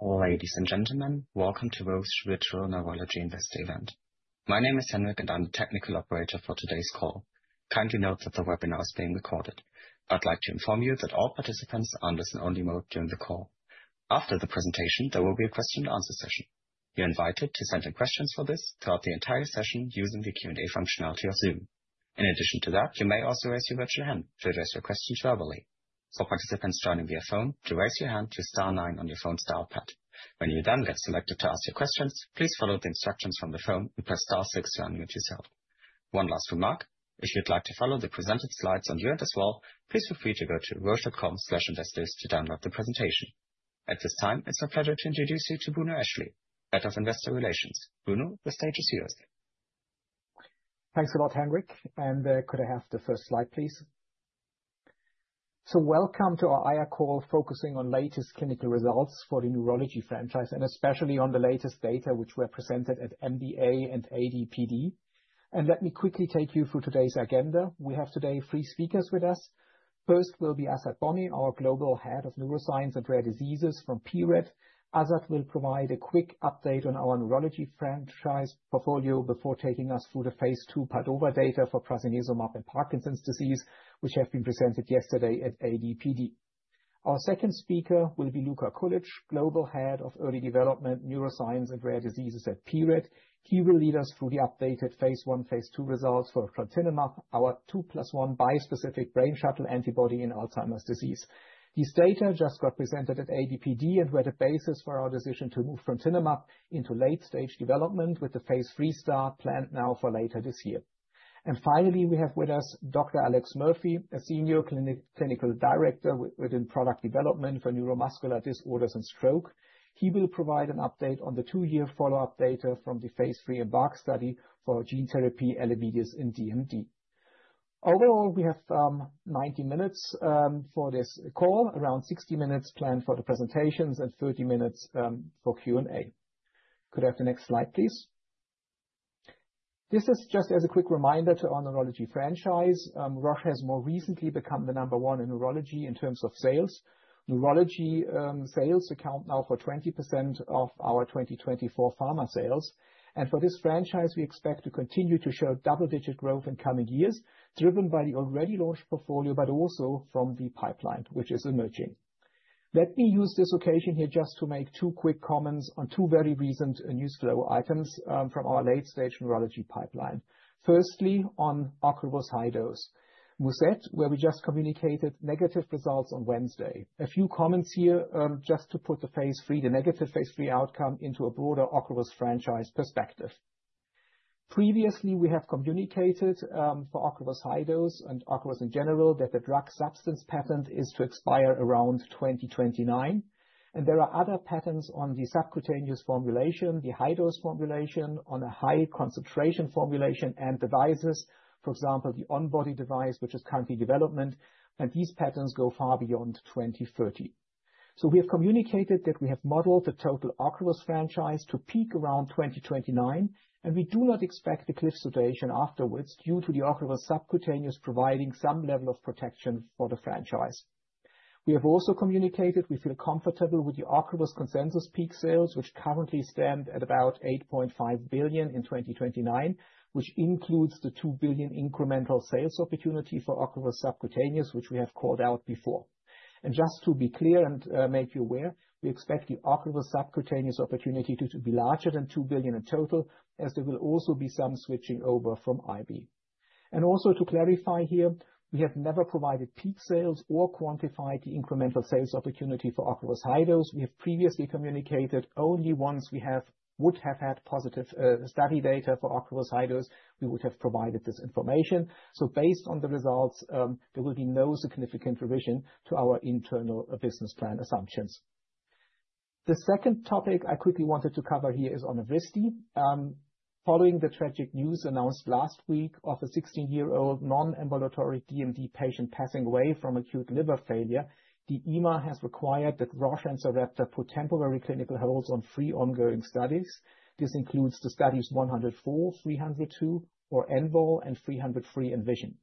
Ladies and gentlemen, welcome to Roche Virtual Neurology Investor Event. My name is Henrik, and I'm the technical operator for today's call. Kindly note that the webinar is being recorded. I'd like to inform you that all participants are in listen-only mode during the call. After the presentation, there will be a question-and-answer session. You're invited to send in questions for this throughout the entire session using the Q&A functionality of Zoom. In addition to that, you may also raise your virtual hand to address your questions verbally. For participants joining via phone, to raise your hand, use star nine on your phone's dial pad. When you then get selected to ask your questions, please follow the instructions from the phone and press star six to unmute yourself. One last remark: if you'd like to follow the presented slides on your end as well, please feel free to go to roche.com/investors to download the presentation. At this time, it's my pleasure to introduce you to Bruno Eschli, Head of Investor Relations. Bruno, the stage is yours. Thanks a lot, Henrik. Could I have the first slide, please? Welcome to our IR call focusing on the latest clinical results for the neurology franchise and especially on the latest data which were presented at MBA and ADPD. Let me quickly take you through today's agenda. We have today three speakers with us. First will be Azad Bonni, our Global Head of Neuroscience and Rare Diseases from pRED. Azad will provide a quick update on our neurology franchise portfolio before taking us through the phase II PADOVA data for Parkinson's disease, which have been presented yesterday at ADPD. Our second speaker will be Luka Kulic, Global Head of Early Development Neuroscience and Rare Diseases at pRED. He will lead us through the updated phase I and phase II results for trontinemab, our 2+1 bispecific Brainshuttle antibody in Alzheimer's disease. These data just got presented at ADPD and were the basis for our decision to move fenebrutinib into late-stage development with the phase III start planned now for later this year. Finally, we have with us Dr. Alex Murphy, a Senior Clinical Director within Product Development for neuromuscular disorders and stroke. He will provide an update on the two-year follow-up data from the phase III EMBARK study for gene therapy, Elevidys, and DMD. Overall, we have 90 minutes for this call, around 60 minutes planned for the presentations and 30 minutes for Q&A. Could I have the next slide, please? This is just as a quick reminder to our neurology franchise. Roche has more recently become the number one in neurology in terms of sales. Neurology sales account now for 20% of our 2024 pharma sales. For this franchise, we expect to continue to show double-digit growth in coming years, driven by the already launched portfolio, but also from the pipeline which is emerging. Let me use this occasion here just to make two quick comments on two very recent newsflow items from our late-stage neurology pipeline. Firstly, on Ocrevus high dose, where we just communicated negative results on Wednesday. A few comments here just to put the phase III, the negative phase III outcome into a broader Ocrevus franchise perspective. Previously, we have communicated for Ocrevus high dose and Ocrevus in general that the drug substance patent is to expire around 2029. There are other patents on the subcutaneous formulation, the high-dose formulation, on a high-concentration formulation and devices, for example, the on-body device, which is currently in development. These patents go far beyond 2030. We have communicated that we have modeled the total Ocrevus franchise to peak around 2029, and we do not expect the cliff situation afterwards due to the Ocrevus subcutaneous providing some level of protection for the franchise. We have also communicated we feel comfortable with the Ocrevus consensus peak sales, which currently stand at about $8.5 billion in 2029, which includes the $2 billion incremental sales opportunity for Ocrevus subcutaneous, which we have called out before. Just to be clear and make you aware, we expect the Ocrevus subcutaneous opportunity to be larger than $2 billion in total, as there will also be some switching over from IV. Also to clarify here, we have never provided peak sales or quantified the incremental sales opportunity for Ocrevus high dose. We have previously communicated only once we would have had positive study data for Ocrevus high dose, we would have provided this information. Based on the results, there will be no significant revision to our internal business plan assumptions. The second topic I quickly wanted to cover here is on Elevidys. Following the tragic news announced last week of a 16-year-old non-ambulatory DMD patient passing away from acute liver failure, the EMA has required that Roche and Sarepta put temporary clinical holds on three ongoing studies. This includes the studies 104, 302, or EMBARK, and 303 ENVISION.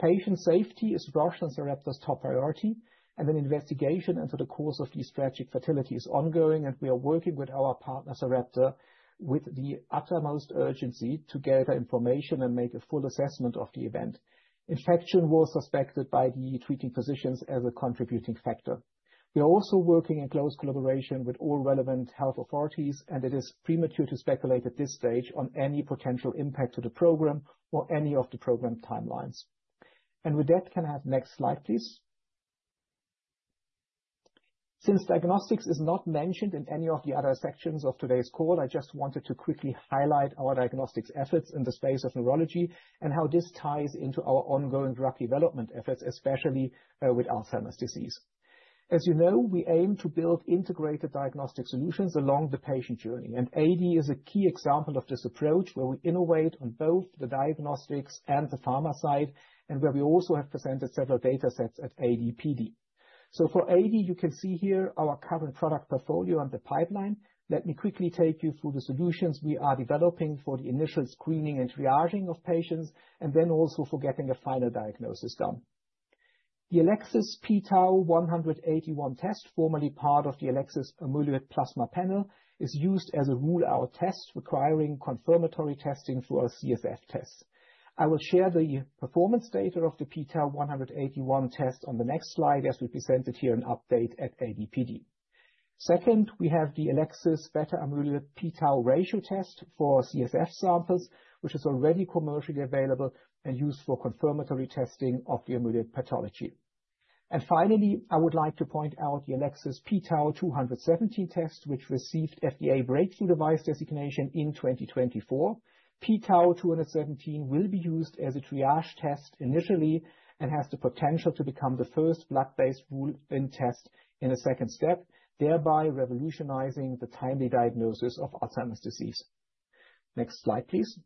Patient safety is Roche and Sarepta's top priority, and an investigation into the cause of these tragic fatalities is ongoing, and we are working with our partner Sarepta with the utmost urgency to gather information and make a full assessment of the event. Infection was suspected by the treating physicians as a contributing factor. We are also working in close collaboration with all relevant health authorities, and it is premature to speculate at this stage on any potential impact to the program or any of the program timelines. Can I have the next slide, please? Since diagnostics is not mentioned in any of the other sections of today's call, I just wanted to quickly highlight our diagnostics efforts in the space of neurology and how this ties into our ongoing drug development efforts, especially with Alzheimer's disease. As you know, we aim to build integrated diagnostic solutions along the patient journey, and AD is a key example of this approach where we innovate on both the diagnostics and the pharma side, and where we also have presented several data sets at ADPD. For AD, you can see here our current product portfolio and the pipeline. Let me quickly take you through the solutions we are developing for the initial screening and triaging of patients, and then also for getting a final diagnosis done. The Elecsys pTau181 test, formerly part of the Elecsys Amyloid Plasma Panel, is used as a rule-out test requiring confirmatory testing through our CSF tests. I will share the performance data of the pTau181 test on the next slide as we present it here in update at ADPD. Second, we have the Elecsys Beta Amyloid pTau ratio test for CSF samples, which is already commercially available and used for confirmatory testing of the amyloid pathology. Finally, I would like to point out the Elecsys pTau217 test, which received FDA breakthrough device designation in 2024. pTau217 will be used as a triage test initially and has the potential to become the first blood-based rule-in test in a second step, thereby revolutionizing the timely diagnosis of Alzheimer's disease. Next slide, please.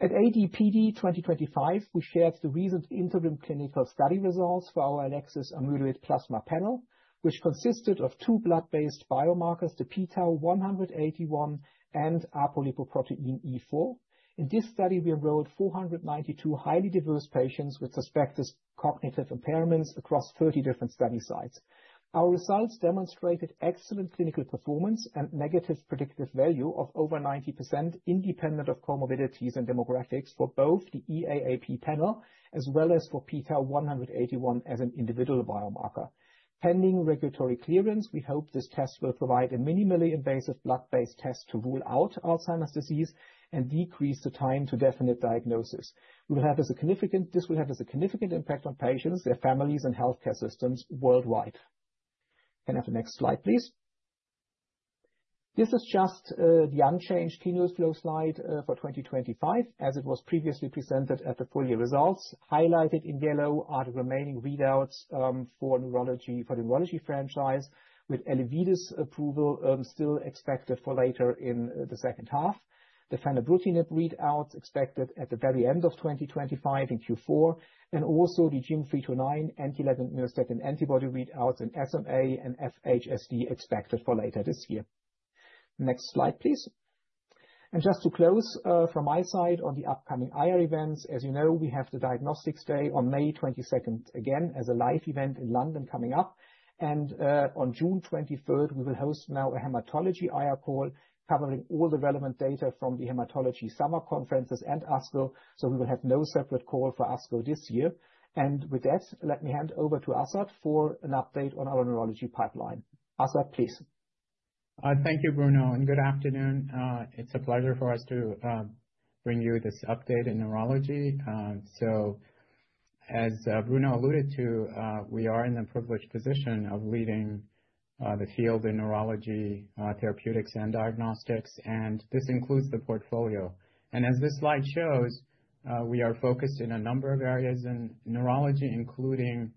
At ADPD 2025, we shared the recent interim clinical study results for our Elecsys Amyloid Plasma Panel, which consisted of two blood-based biomarkers, the pTau181 and Apolipoprotein E4. In this study, we enrolled 492 highly diverse patients with suspected cognitive impairments across 30 different study sites. Our results demonstrated excellent clinical performance and negative predictive value of over 90% independent of comorbidities and demographics for both the [EAP Panel] as well as for pTau181 as an individual biomarker. Pending regulatory clearance, we hope this test will provide a minimally invasive blood-based test to rule out Alzheimer's disease and decrease the time to definite diagnosis. This will have a significant impact on patients, their families, and healthcare systems worldwide. Can I have the next slide, please? This is just the unchanged keynote flow slide for 2025, as it was previously presented at the full year results. Highlighted in yellow are the remaining readouts for the neurology franchise with Elevidys approval still expected for later in the second half. The fenebrutinib readouts expected at the very end of 2025 in Q4, and also the GYM329 anti-eleven neurostatic antibody readouts in SMA and FHSD expected for later this year. Next slide, please. Just to close from my side on the upcoming IR events, as you know, we have the Diagnostics Day on May 22nd again as a live event in London coming up. On June 23rd, we will host a hematology IR call covering all the relevant data from the hematology summer conferences and ASCO. We will have no separate call for ASCO this year. With that, let me hand over to Azad for an update on our neurology pipeline. Azad, please. Thank you, Bruno, and good afternoon. It's a pleasure for us to bring you this update in neurology. As Bruno alluded to, we are in the privileged position of leading the field in neurology, therapeutics, and diagnostics, and this includes the portfolio. As this slide shows, we are focused in a number of areas in neurology, including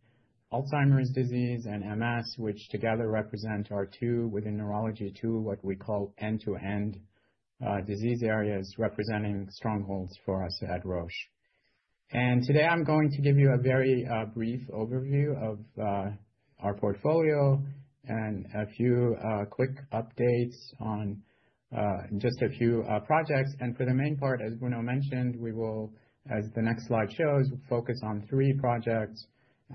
Alzheimer's disease and MS, which together represent our two within neurology to what we call end-to-end disease areas representing strongholds for us at Roche. Today, I'm going to give you a very brief overview of our portfolio and a few quick updates on just a few projects. For the main part, as Bruno mentioned, we will, as the next slide shows, focus on three projects.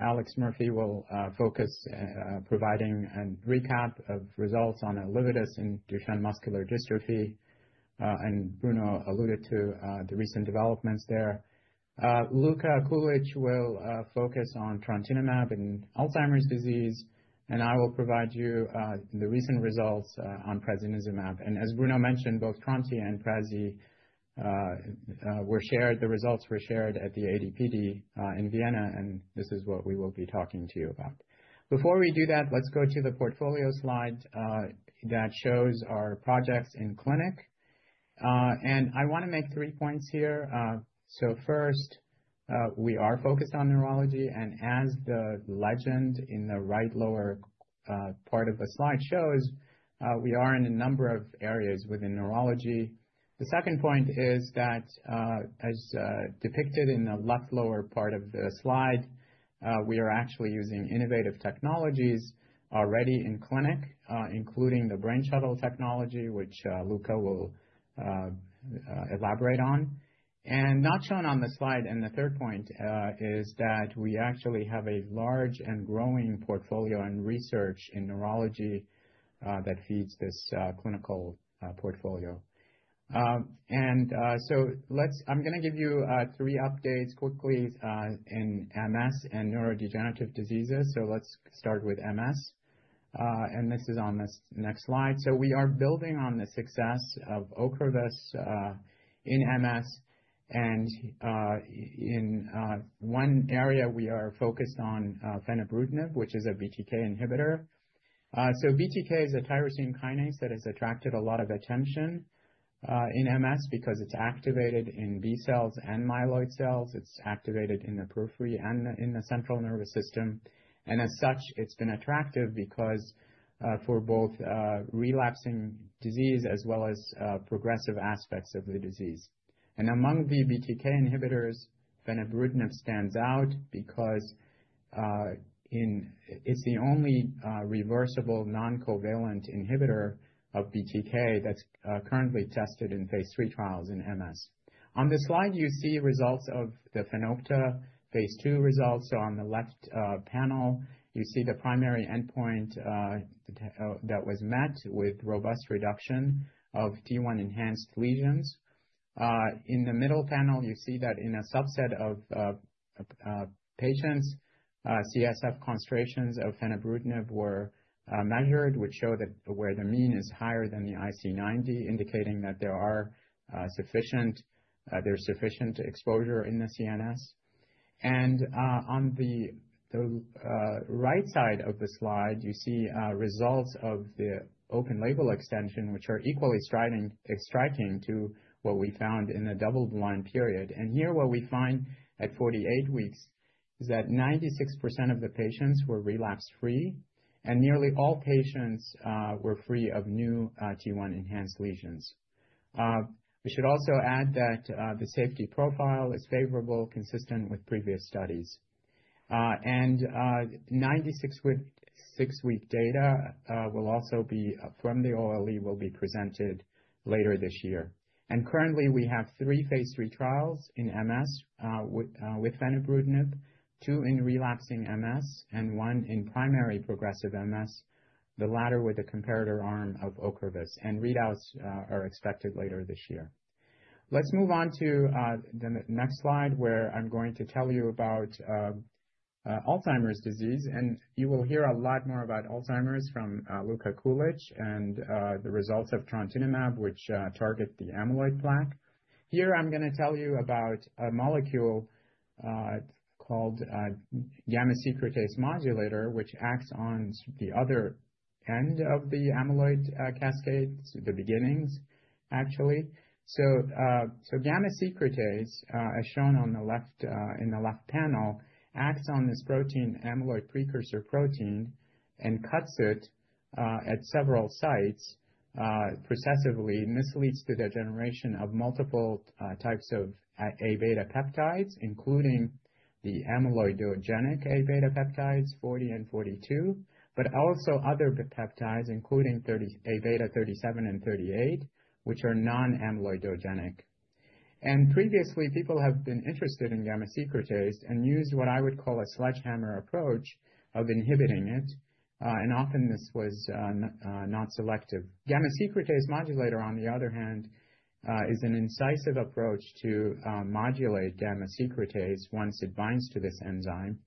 Alex Murphy will focus on providing a recap of results on Elevidys and Duchenne muscular dystrophy. Bruno alluded to the recent developments there. Luka Kulic will focus on trontinemab in Alzheimer's disease, and I will provide you the recent results on prasinezumab. As Bruno mentioned, both tronti and prazi were shared; the results were shared at the ADPD in Vienna, and this is what we will be talking to you about. Before we do that, let's go to the portfolio slide that shows our projects in clinic. I want to make three points here. First, we are focused on neurology, and as the legend in the right lower part of the slide shows, we are in a number of areas within neurology. The second point is that, as depicted in the left lower part of the slide, we are actually using innovative technologies already in clinic, including the Brainshuttle technology, which Luka will elaborate on. Not shown on the slide in the third point is that we actually have a large and growing portfolio and research in neurology that feeds this clinical portfolio. I'm going to give you three updates quickly in MS and neurodegenerative diseases. Let's start with MS. This is on the next slide. We are building on the success of Ocrevus in MS. In one area, we are focused on fenebrutinib, which is a BTK inhibitor. BTK is a tyrosine kinase that has attracted a lot of attention in MS because it's activated in B cells and myeloid cells. It's activated in the periphery and in the central nervous system. As such, it's been attractive for both relapsing disease as well as progressive aspects of the disease. Among the BTK inhibitors, fenebrutinib stands out because it's the only reversible non-covalent inhibitor of BTK that's currently tested in phase III trials in MS. On the slide, you see results of the FENopta phase II results. On the left panel, you see the primary endpoint that was met with robust reduction of T1-enhanced lesions. In the middle panel, you see that in a subset of patients, CSF concentrations of fenebrutinib were measured, which show that where the mean is higher than the IC90, indicating that there is sufficient exposure in the CNS. On the right side of the slide, you see results of the open label extension, which are equally striking to what we found in the double-blind period. Here, what we find at 48 weeks is that 96% of the patients were relapse-free, and nearly all patients were free of new T1-enhanced lesions. We should also add that the safety profile is favorable, consistent with previous studies. The 96-week data will also be from the OLE, will be presented later this year. Currently, we have three phase III trials in MS with fenebrutinib, two in relapsing MS, and one in primary progressive MS, the latter with a comparator arm of Ocrevus. Readouts are expected later this year. Let's move on to the next slide where I'm going to tell you about Alzheimer's disease. You will hear a lot more about Alzheimer's from Luka Kulic and the results of trontinemab, which target the amyloid plaque. Here, I'm going to tell you about a molecule called gamma secretase modulator, which acts on the other end of the amyloid cascade, the beginnings, actually. Gamma secretase, as shown on the left in the left panel, acts on this protein, amyloid precursor protein, and cuts it at several sites processively. This leads to the generation of multiple types of A beta peptides, including the amyloidogenic A beta peptides 40 and 42, but also other peptides, including A beta 37 and 38, which are non-amyloidogenic. Previously, people have been interested in gamma secretase and used what I would call a sledgehammer approach of inhibiting it. Often, this was not selective. Gamma secretase modulator, on the other hand, is an incisive approach to modulate gamma secretase once it binds to this enzyme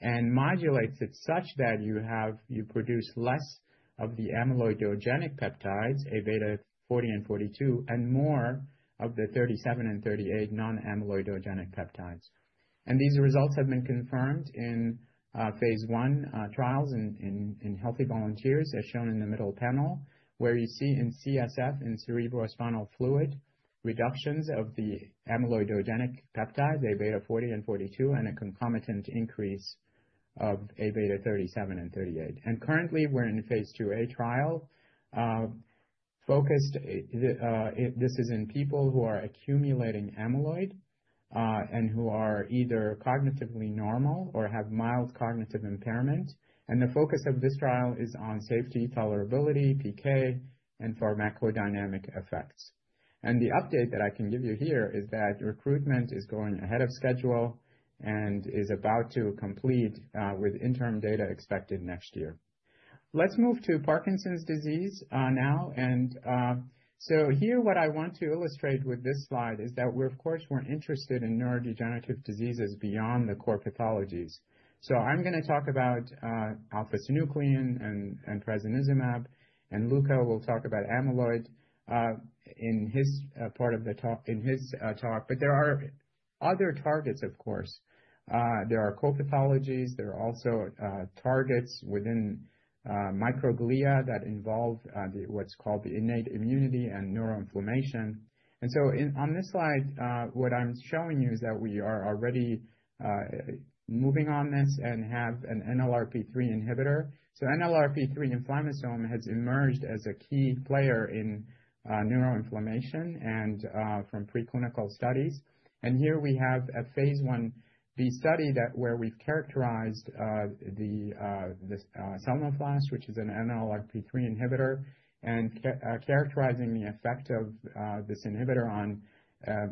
and modulates it such that you produce less of the amyloidogenic peptides, A beta 40 and 42, and more of the 37 and 38 non-amyloidogenic peptides. These results have been confirmed in phase I trials in healthy volunteers, as shown in the middle panel, where you see in CSF and cerebrospinal fluid reductions of the amyloidogenic peptides, A beta 40 and 42, and a concomitant increase of A beta 37 and 38. Currently, we're in a phase II-A trial focused. This is in people who are accumulating amyloid and who are either cognitively normal or have mild cognitive impairment. The focus of this trial is on safety, tolerability, PK, and pharmacodynamic effects. The update that I can give you here is that recruitment is going ahead of schedule and is about to complete with interim data expected next year. Let's move to Parkinson's disease now. Here, what I want to illustrate with this slide is that we're, of course, interested in neurodegenerative diseases beyond the core pathologies. I'm going to talk about alpha-synuclein and prasinezumab, and Luka will talk about amyloid in his part of the talk, but there are other targets, of course. There are co-pathologies. There are also targets within microglia that involve what's called the innate immunity and neuroinflammation. On this slide, what I'm showing you is that we are already moving on this and have an NLRP3 inhibitor. NLRP3 inflammasome has emerged as a key player in neuroinflammation and from preclinical studies. Here we have a phase I-B study where we've characterized the [Selnoflast], which is an NLRP3 inhibitor, and characterizing the effect of this inhibitor on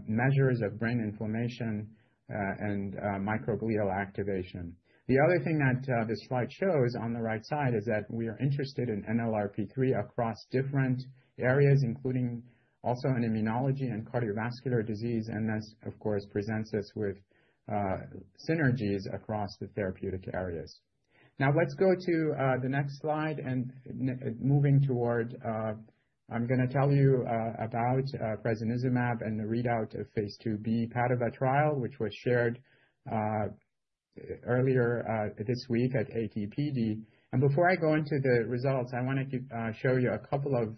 measures of brain inflammation and microglial activation. The other thing that this slide shows on the right side is that we are interested in NLRP3 across different areas, including also in immunology and cardiovascular disease. This, of course, presents us with synergies across the therapeutic areas. Now, let's go to the next slide and moving toward, I'm going to tell you about prasinezumab and the readout of phase II-B PADOVA trial, which was shared earlier this week at ADPD. Before I go into the results, I want to show you a couple of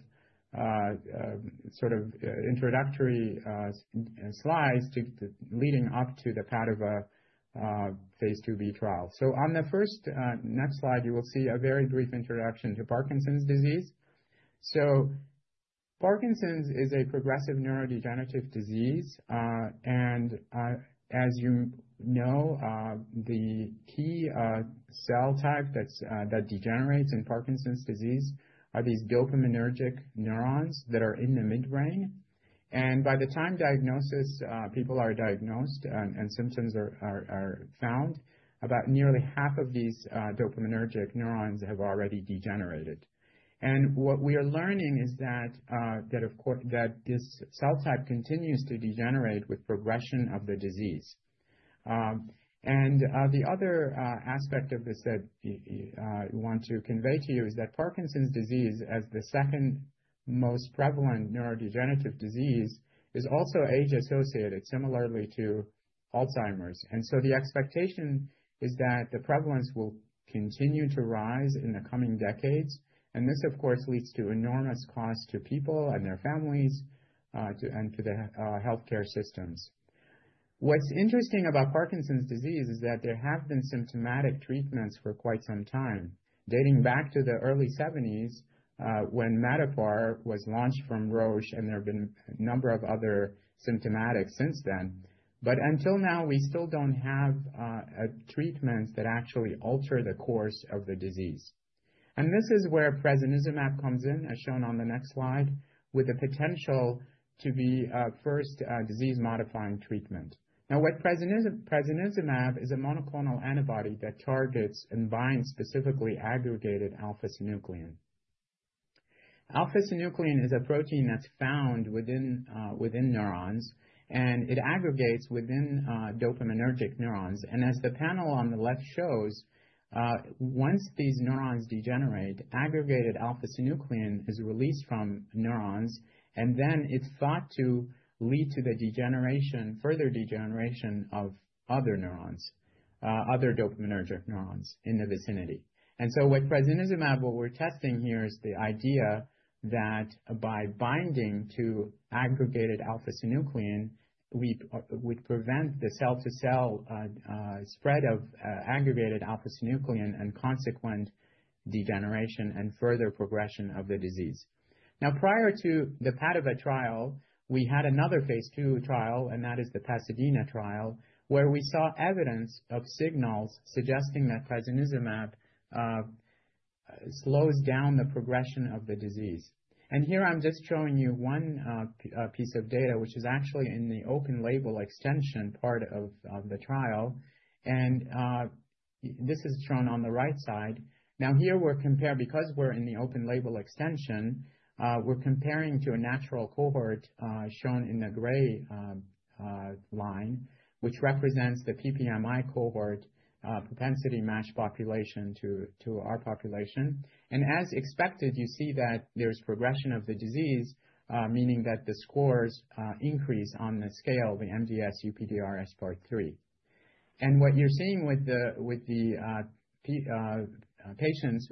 sort of introductory slides leading up to the PADOVA phase II-B trial. On the first next slide, you will see a very brief introduction to Parkinson's disease. Parkinson's is a progressive neurodegenerative disease. As you know, the key cell type that degenerates in Parkinson's disease are these dopaminergic neurons that are in the midbrain. By the time people are diagnosed and symptoms are found, about nearly half of these dopaminergic neurons have already degenerated. What we are learning is that this cell type continues to degenerate with progression of the disease. The other aspect of this that I want to convey to you is that Parkinson's disease, as the second most prevalent neurodegenerative disease, is also age-associated, similarly to Alzheimer's. The expectation is that the prevalence will continue to rise in the coming decades. This, of course, leads to enormous costs to people and their families and to the healthcare systems. What's interesting about Parkinson's disease is that there have been symptomatic treatments for quite some time, dating back to the early 1970s when Matterport was launched from Roche, and there have been a number of other symptomatics since then. Until now, we still don't have treatments that actually alter the course of the disease. This is where prasinezumab comes in, as shown on the next slide, with the potential to be a first disease-modifying treatment. Now, what prasinezumab is is a monoclonal antibody that targets and binds specifically aggregated alpha-synuclein. Alpha-synuclein is a protein that's found within neurons, and it aggregates within dopaminergic neurons. As the panel on the left shows, once these neurons degenerate, aggregated alpha-synuclein is released from neurons, and then it's thought to lead to the further degeneration of other dopaminergic neurons in the vicinity. With prasinezumab, what we're testing here is the idea that by binding to aggregated alpha-synuclein, we would prevent the cell-to-cell spread of aggregated alpha-synuclein and consequent degeneration and further progression of the disease. Now, prior to the PADOVA trial, we had another phase II trial, and that is the PASADENA trial, where we saw evidence of signals suggesting that prasinezumab slows down the progression of the disease. Here, I'm just showing you one piece of data, which is actually in the open label extension part of the trial. This is shown on the right side. Here, because we're in the open label extension, we're comparing to a natural cohort shown in the gray line, which represents the PPMI cohort propensity match population to our population. As expected, you see that there's progression of the disease, meaning that the scores increase on the scale, the MDS-UPDRS part III. What you're seeing with the patients,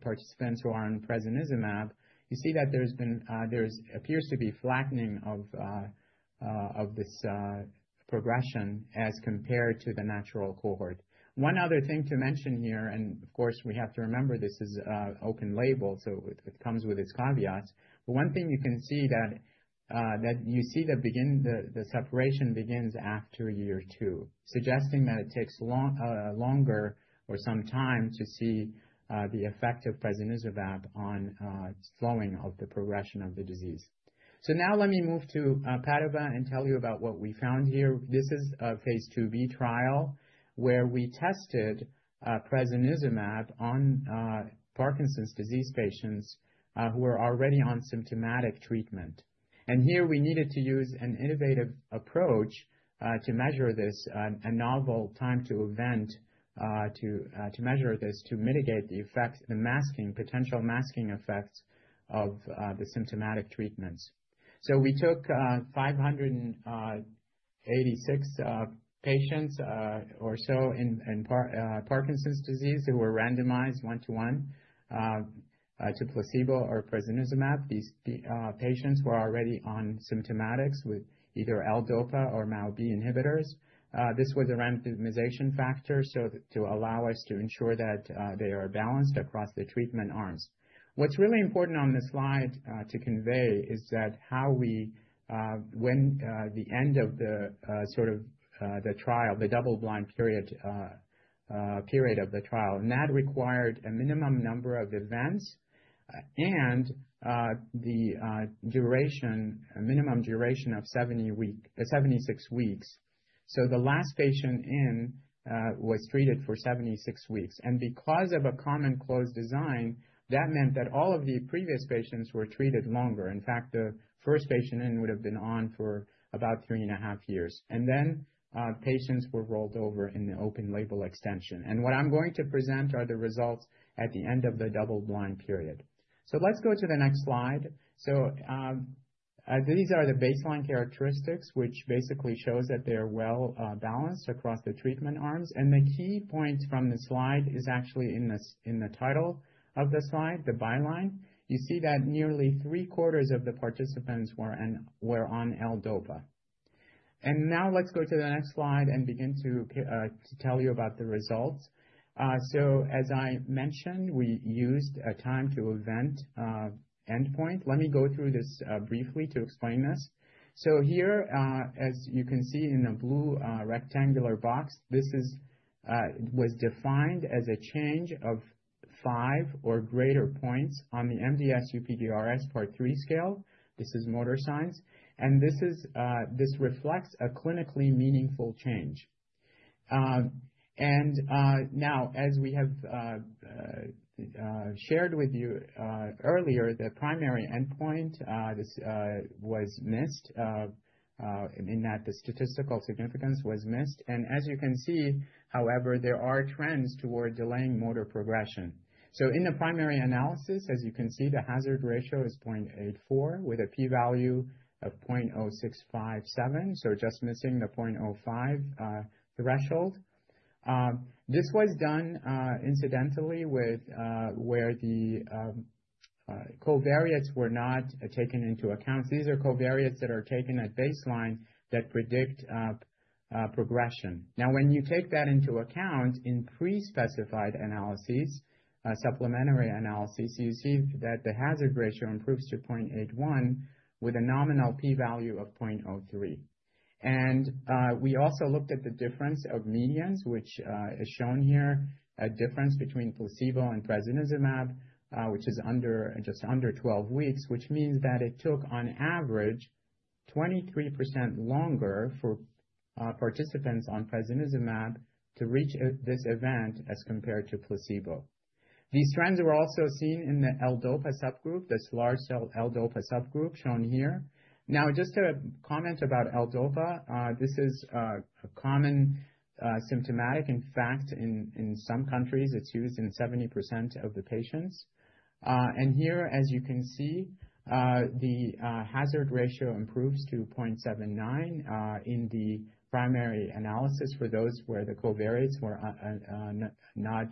participants who are on prasinezumab, you see that there appears to be flattening of this progression as compared to the natural cohort. One other thing to mention here, and of course, we have to remember this is open label, so it comes with its caveats. One thing you can see is that you see the separation begins after year two, suggesting that it takes longer or some time to see the effect of prasinezumab on slowing of the progression of the disease. Now, let me move to PADOVA and tell you about what we found here. This is a phase II-B trial where we tested prasinezumab on Parkinson's disease patients who were already on symptomatic treatment. Here, we needed to use an innovative approach to measure this, a novel time to event to measure this to mitigate the masking, potential masking effects of the symptomatic treatments. We took 586 patients or so in Parkinson's disease who were randomized one-to-one to placebo or prasinezumab. These patients were already on symptomatics with either L-DOPA or MAO-B inhibitors. This was a randomization factor to allow us to ensure that they are balanced across the treatment arms. What's really important on this slide to convey is that how we, when the end of the sort of the trial, the double-blind period of the trial, and that required a minimum number of events and the minimum duration of 76 weeks. The last patient in was treated for 76 weeks. Because of a common closed design, that meant that all of the previous patients were treated longer. In fact, the first patient in would have been on for about three and a half years. Patients were rolled over in the open label extension. What I'm going to present are the results at the end of the double-blind period. Let's go to the next slide. These are the baseline characteristics, which basically shows that they are well balanced across the treatment arms. The key point from the slide is actually in the title of the slide, the byline. You see that nearly three-quarters of the participants were on L-DOPA. Now, let's go to the next slide and begin to tell you about the results. As I mentioned, we used a time to event endpoint. Let me go through this briefly to explain this. Here, as you can see in the blue rectangular box, this was defined as a change of five or greater points on the MDS-UPDRS part III scale. This is motor signs. This reflects a clinically meaningful change. As we have shared with you earlier, the primary endpoint was missed in that the statistical significance was missed. As you can see, however, there are trends toward delaying motor progression. In the primary analysis, as you can see, the hazard ratio is 0.84 with a p-value of 0.0657, just missing the 0.05 threshold. This was done incidentally where the covariates were not taken into account. These are covariates that are taken at baseline that predict progression. Now, when you take that into account in pre-specified analyses, supplementary analyses, you see that the hazard ratio improves to 0.81 with a nominal p-value of 0.03. We also looked at the difference of medians, which is shown here, a difference between placebo and prasinezumab, which is just under 12 weeks, which means that it took, on average, 23% longer for participants on prasinezumab to reach this event as compared to placebo. These trends were also seen in the L-DOPA subgroup, this large cell L-DOPA subgroup shown here. Now, just a comment about L-DOPA. This is a common symptomatic. In fact, in some countries, it's used in 70% of the patients. Here, as you can see, the hazard ratio improves to 0.79 in the primary analysis for those where the covariates were not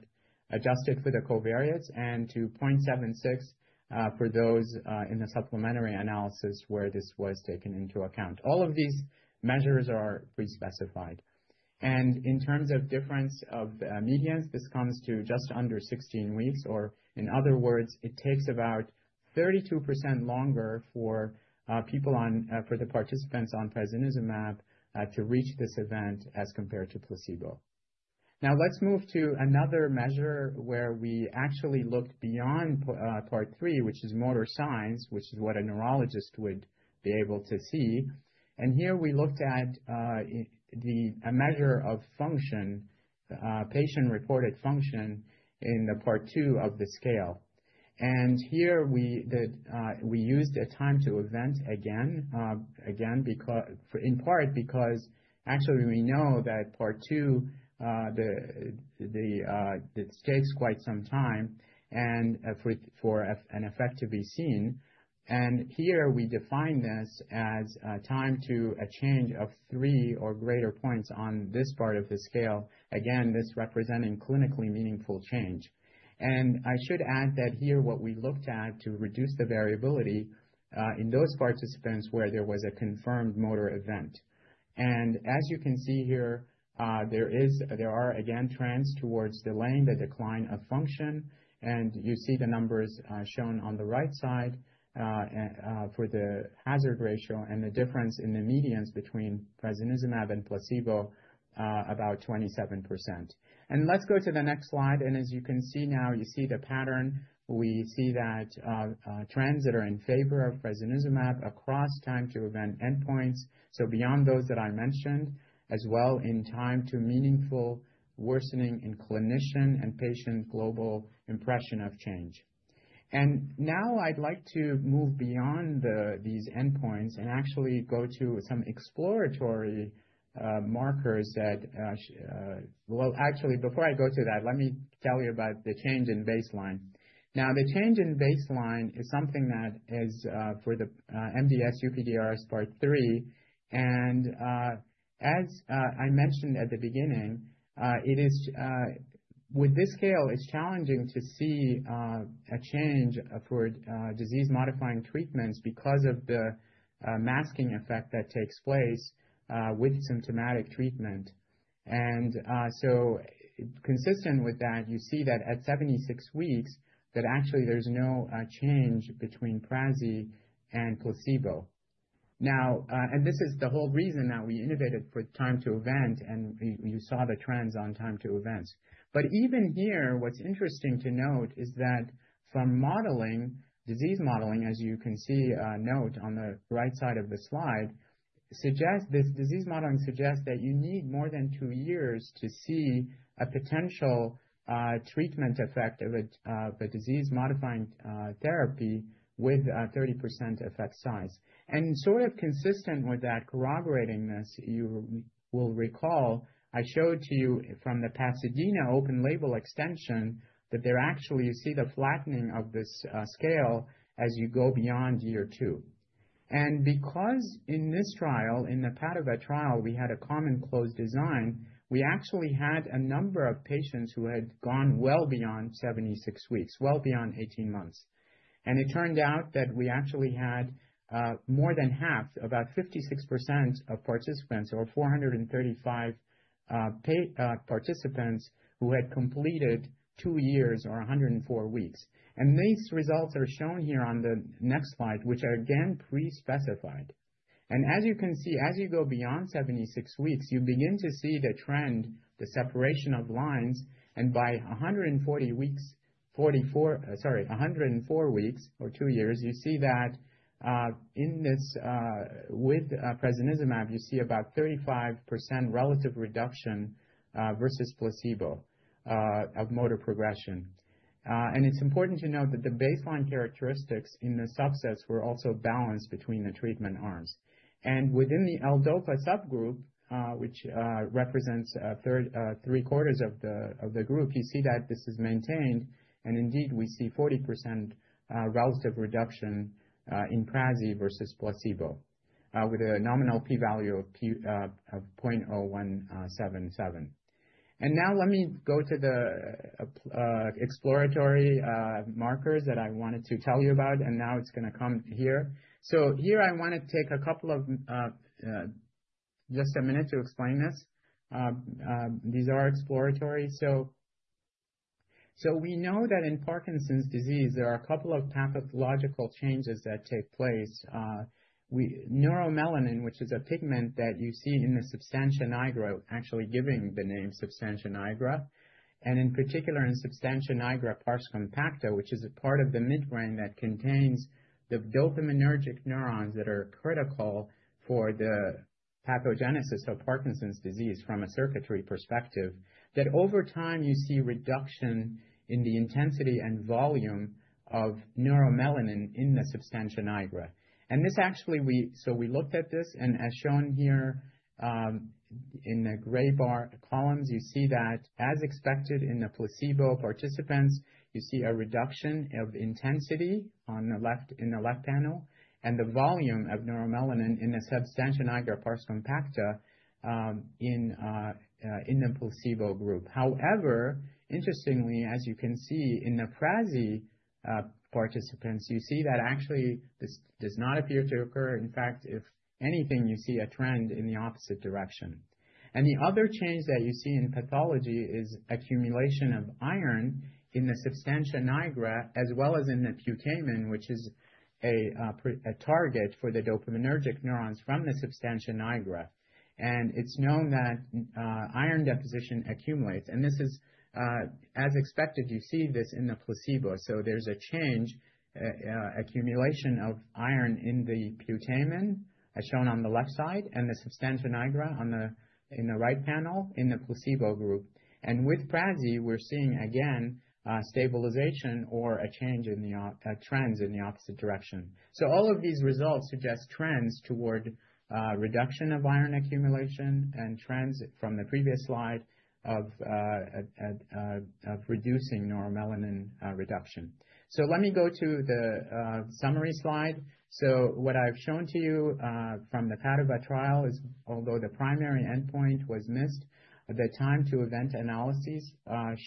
adjusted for the covariates and to 0.76 for those in the supplementary analysis where this was taken into account. All of these measures are pre-specified. In terms of difference of medians, this comes to just under 16 weeks. In other words, it takes about 32% longer for the participants on prasinezumab to reach this event as compared to placebo. Now, let's move to another measure where we actually looked beyond part III, which is motor signs, which is what a neurologist would be able to see. Here, we looked at a measure of patient-reported function in the part II of the scale. Here, we used a time to event again, in part because actually, we know that part II, it takes quite some time for an effect to be seen. Here, we define this as time to a change of three or greater points on this part of the scale. This represents clinically meaningful change. I should add that here, what we looked at to reduce the variability in those participants where there was a confirmed motor event. As you can see here, there are trends towards delaying the decline of function. You see the numbers shown on the right side for the hazard ratio and the difference in the medians between prasinezumab and placebo, about 27%. Let's go to the next slide. As you can see now, you see the pattern. We see that trends that are in favor of prasinezumab across time to event endpoints, so beyond those that I mentioned, as well in time to meaningful worsening in clinician and patient global impression of change. Now, I'd like to move beyond these endpoints and actually go to some exploratory markers that, actually, before I go to that, let me tell you about the change in baseline. The change in baseline is something that is for the MDS-UPDRS part III. As I mentioned at the beginning, with this scale, it's challenging to see a change for disease-modifying treatments because of the masking effect that takes place with symptomatic treatment. Consistent with that, you see that at 76 weeks, actually there's no change between prazi and placebo. Now, and this is the whole reason that we innovated for time to event, and you saw the trends on time to events. Even here, what's interesting to note is that from disease modeling, as you can see note on the right side of the slide, this disease modeling suggests that you need more than two years to see a potential treatment effect of a disease-modifying therapy with a 30% effect size. Sort of consistent with that corroboratingness, you will recall, I showed to you from the PASADENA open label extension that there actually, you see the flattening of this scale as you go beyond year two. Because in this trial, in the PADOVA trial, we had a common closed design, we actually had a number of patients who had gone well beyond 76 weeks, well beyond 18 months. It turned out that we actually had more than half, about 56% of participants or 435 participants who had completed two years or 104 weeks. These results are shown here on the next slide, which are again pre-specified. As you can see, as you go beyond 76 weeks, you begin to see the trend, the separation of lines. By 144 weeks or two years, you see that with prasinezumab, you see about 35% relative reduction versus placebo of motor progression. It is important to note that the baseline characteristics in the subsets were also balanced between the treatment arms. Within the L-DOPA subgroup, which represents 3/4 of the group, you see that this is maintained. Indeed, we see 40% relative reduction in prazi versus placebo with a nominal p-value of 0.0177. Let me go to the exploratory markers that I wanted to tell you about. It is going to come here. Here, I want to take just a minute to explain this. These are exploratory. We know that in Parkinson's disease, there are a couple of pathological changes that take place. Neuromelanin, which is a pigment that you see in the substantia nigra, actually giving the name substantia nigra. In particular, in substantia nigra pars compacta, which is a part of the midbrain that contains the dopaminergic neurons that are critical for the pathogenesis of Parkinson's disease from a circuitry perspective, over time, you see reduction in the intensity and volume of neuromelanin in the substantia nigra. We looked at this. As shown here in the gray bar columns, you see that as expected in the placebo participants, you see a reduction of intensity in the left panel and the volume of neuromelanin in the substantia nigra pars compacta in the placebo group. However, interestingly, as you can see in the prazi participants, you see that actually this does not appear to occur. In fact, if anything, you see a trend in the opposite direction. The other change that you see in pathology is accumulation of iron in the substantia nigra as well as in the putamen, which is a target for the dopaminergic neurons from the substantia nigra. It is known that iron deposition accumulates. This is, as expected, you see this in the placebo. There is a change accumulation of iron in the putamen, as shown on the left side, and the substantia nigra in the right panel in the placebo group. With prazi, we are seeing again stabilization or a change in the trends in the opposite direction. All of these results suggest trends toward reduction of iron accumulation and trends from the previous slide of reducing neuromelanin reduction. Let me go to the summary slide. What I have shown to you from the PADOVA trial is, although the primary endpoint was missed, the time to event analyses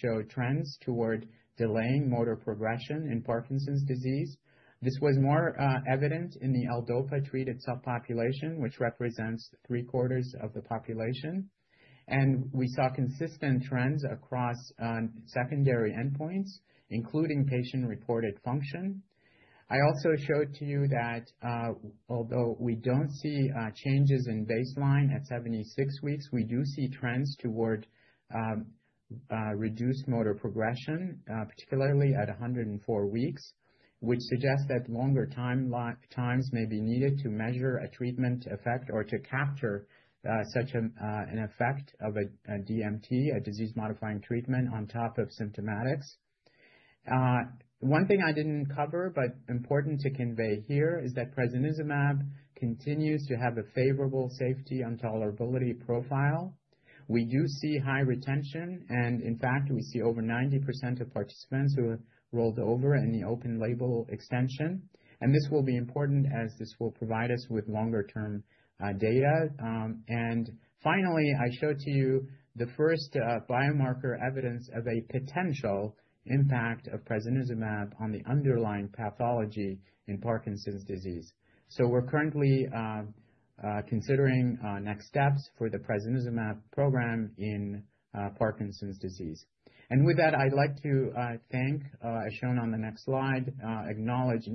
showed trends toward delaying motor progression in Parkinson's disease. This was more evident in the L-DOPA treated subpopulation, which represents 3/4 of the population. We saw consistent trends across secondary endpoints, including patient-reported function. I also showed to you that although we don't see changes in baseline at 76 weeks, we do see trends toward reduced motor progression, particularly at 104 weeks, which suggests that longer times may be needed to measure a treatment effect or to capture such an effect of a DMT, a disease-modifying treatment on top of symptomatics. One thing I didn't cover but important to convey here is that prasinezumab continues to have a favorable safety and tolerability profile. We do see high retention. In fact, we see over 90% of participants who rolled over in the open label extension. This will be important as this will provide us with longer-term data. Finally, I showed to you the first biomarker evidence of a potential impact of prasinezumab on the underlying pathology in Parkinson's disease. We are currently considering next steps for the prasinezumab program in Parkinson's disease. I'd like to thank, as shown on the next slide, acknowledge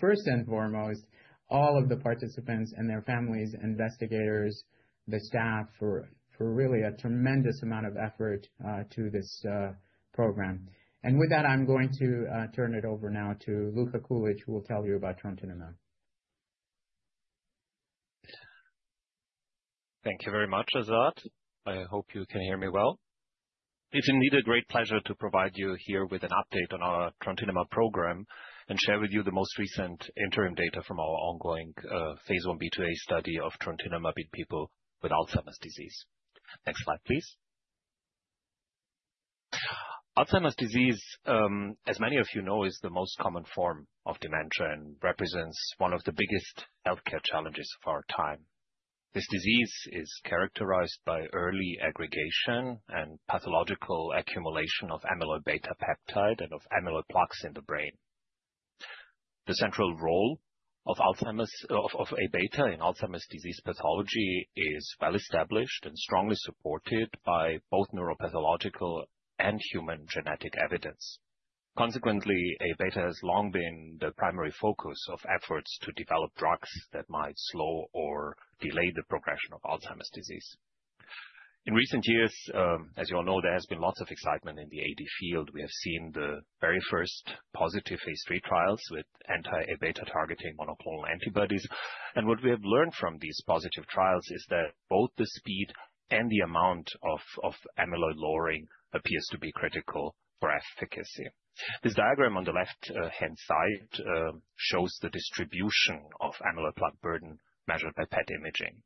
first and foremost all of the participants and their families, investigators, the staff for really a tremendous amount of effort to this program. With that, I'm going to turn it over now to Luka Kulic, who will tell you about trontinemab. Thank you very much, Azad. I hope you can hear me well. It's indeed a great pleasure to provide you here with an update on our trontinemab program and share with you the most recent interim data from our ongoing phase I-B/II-A study of trontinemab in people with Alzheimer's disease. Next slide, please. Alzheimer's disease, as many of you know, is the most common form of dementia and represents one of the biggest healthcare challenges of our time. This disease is characterized by early aggregation and pathological accumulation of amyloid beta peptide and of amyloid plaques in the brain. The central role of a beta in Alzheimer's disease pathology is well established and strongly supported by both neuropathological and human genetic evidence. Consequently, a beta has long been the primary focus of efforts to develop drugs that might slow or delay the progression of Alzheimer's disease. In recent years, as you all know, there has been lots of excitement in the AD field. We have seen the very first positive phase III trials with anti-A beta targeting monoclonal antibodies. What we have learned from these positive trials is that both the speed and the amount of amyloid lowering appears to be critical for efficacy. This diagram on the left-hand side shows the distribution of amyloid plaque burden measured by PET imaging.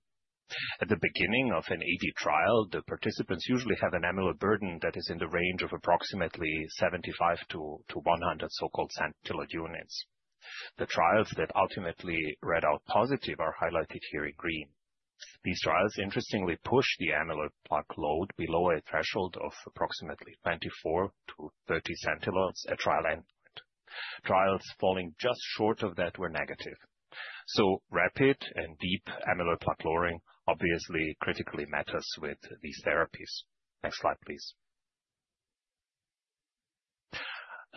At the beginning of an AD trial, the participants usually have an amyloid burden that is in the range of approximately 75-100 so-called centiloid units. The trials that ultimately read out positive are highlighted here in green. These trials, interestingly, push the amyloid plaque load below a threshold of approximately 24-30 centiloids at trial endpoint. Trials falling just short of that were negative. Rapid and deep amyloid plaque lowering obviously critically matters with these therapies. Next slide, please.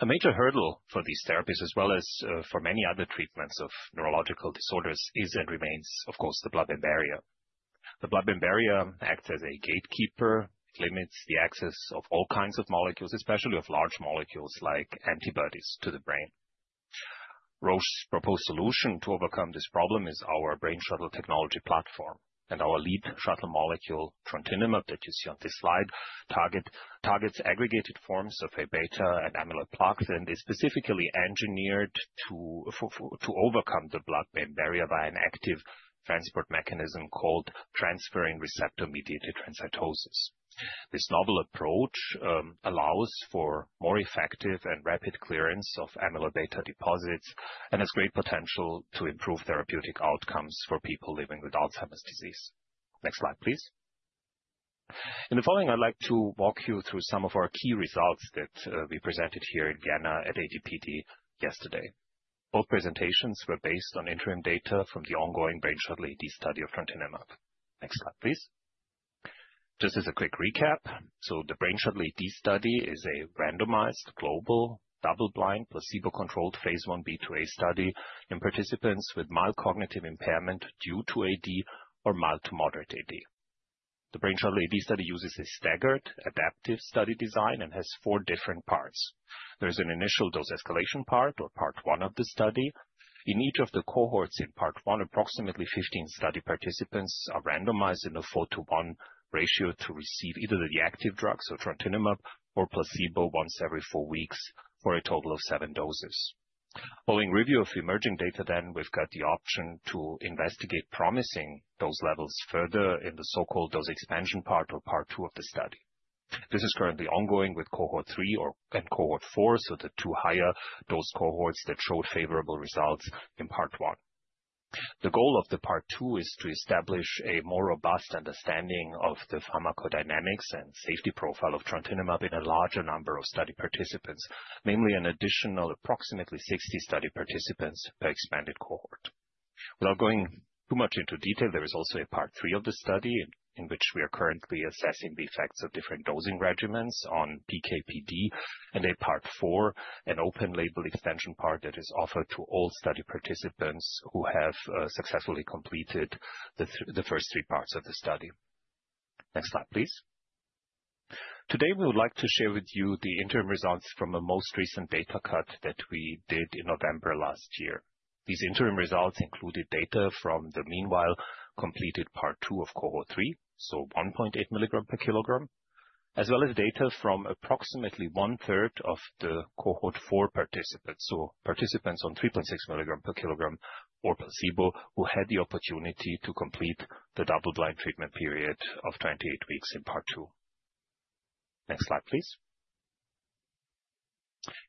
A major hurdle for these therapies, as well as for many other treatments of neurological disorders, is and remains, of course, the blood-brain barrier. The blood-brain barrier acts as a gatekeeper. It limits the access of all kinds of molecules, especially of large molecules like antibodies, to the brain. Roche's proposed solution to overcome this problem is our Brainshuttle technology platform. Our lead shuttle molecule, trontinemab, that you see on this slide, targets aggregated forms of amyloid beta and amyloid plaques and is specifically engineered to overcome the blood-brain barrier by an active transport mechanism called transferrin receptor-mediated transcytosis. This novel approach allows for more effective and rapid clearance of amyloid beta deposits and has great potential to improve therapeutic outcomes for people living with Alzheimer's disease. Next slide, please. In the following, I'd like to walk you through some of our key results that we presented here in Vienna at ADPD yesterday. Both presentations were based on interim data from the ongoing Brainshuttle AD study of trontinemab. Next slide, please. Just as a quick recap, the Brainshuttle AD study is a randomized global double-blind placebo-controlled phase 1-B/II-A study in participants with mild cognitive impairment due to AD or mild to moderate AD. The Brainshuttle AD study uses a staggered adaptive study design and has four different parts. There is an initial dose escalation part or part one of the study. In each of the cohorts in part one, approximately 15 study participants are randomized in a four-to-one ratio to receive either the active drug, trontinemab, or placebo once every four weeks for a total of seven doses. Following review of emerging data, then we've got the option to investigate promising dose levels further in the so-called dose expansion part or part two of the study. This is currently ongoing with cohort three and cohort four, so the two higher dose cohorts that showed favorable results in part one. The goal of the part two is to establish a more robust understanding of the pharmacodynamics and safety profile of trontinemab in a larger number of study participants, namely an additional approximately 60 study participants per expanded cohort. Without going too much into detail, there is also a partthree of the study in which we are currently assessing the effects of different dosing regimens on PK/PD and a part four, an open label extension part that is offered to all study participants who have successfully completed the first three parts of the study. Next slide, please. Today, we would like to share with you the interim results from a most recent data cut that we did in November last year. These interim results included data from the meanwhile completed part two of cohort three, so 1.8 mg/kg, as well as data from approximately 1/3 of the cohort four participants, so participants on 3.6 mg/kg or placebo who had the opportunity to complete the double-blind treatment period of 28 weeks in part two. Next slide, please.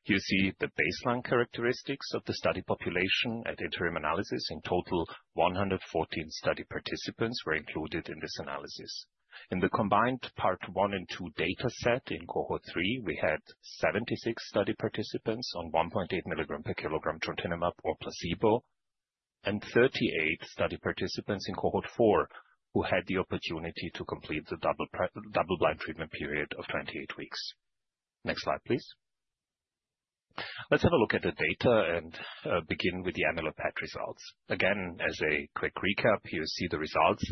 You see the baseline characteristics of the study population at interim analysis. In total, 114 study participants were included in this analysis. In the combined part one and two data set in cohort three, we had 76 study participants on 1.8 mg/kg trontinemab or placebo and 38 study participants in cohort four who had the opportunity to complete the double-blind treatment period of 28 weeks. Next slide, please. Let's have a look at the data and begin with the amyloid PET results. Again, as a quick recap, you see the results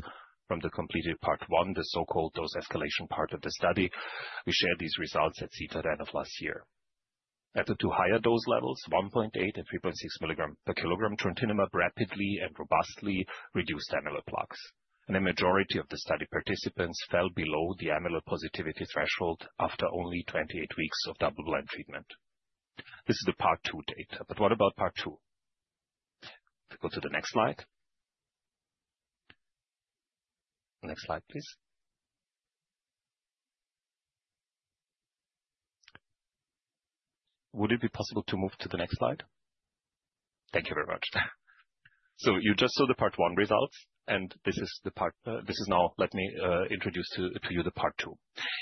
from the completed part one, the so-called dose escalation part of the study. We shared these results at CTAD of last year. At the two higher dose levels, 1.8 mg/kg and 3.6 mg/kg, trontinemab rapidly and robustly reduced amyloid plaques. A majority of the study participants fell below the amyloid positivity threshold after only 28 weeks of double-blind treatment. This is the part two data. What about part two? Go to the next slide. Next slide, please. Would it be possible to move to the next slide? Thank you very much. You just saw the part one results. This is now let me introduce to you the part two.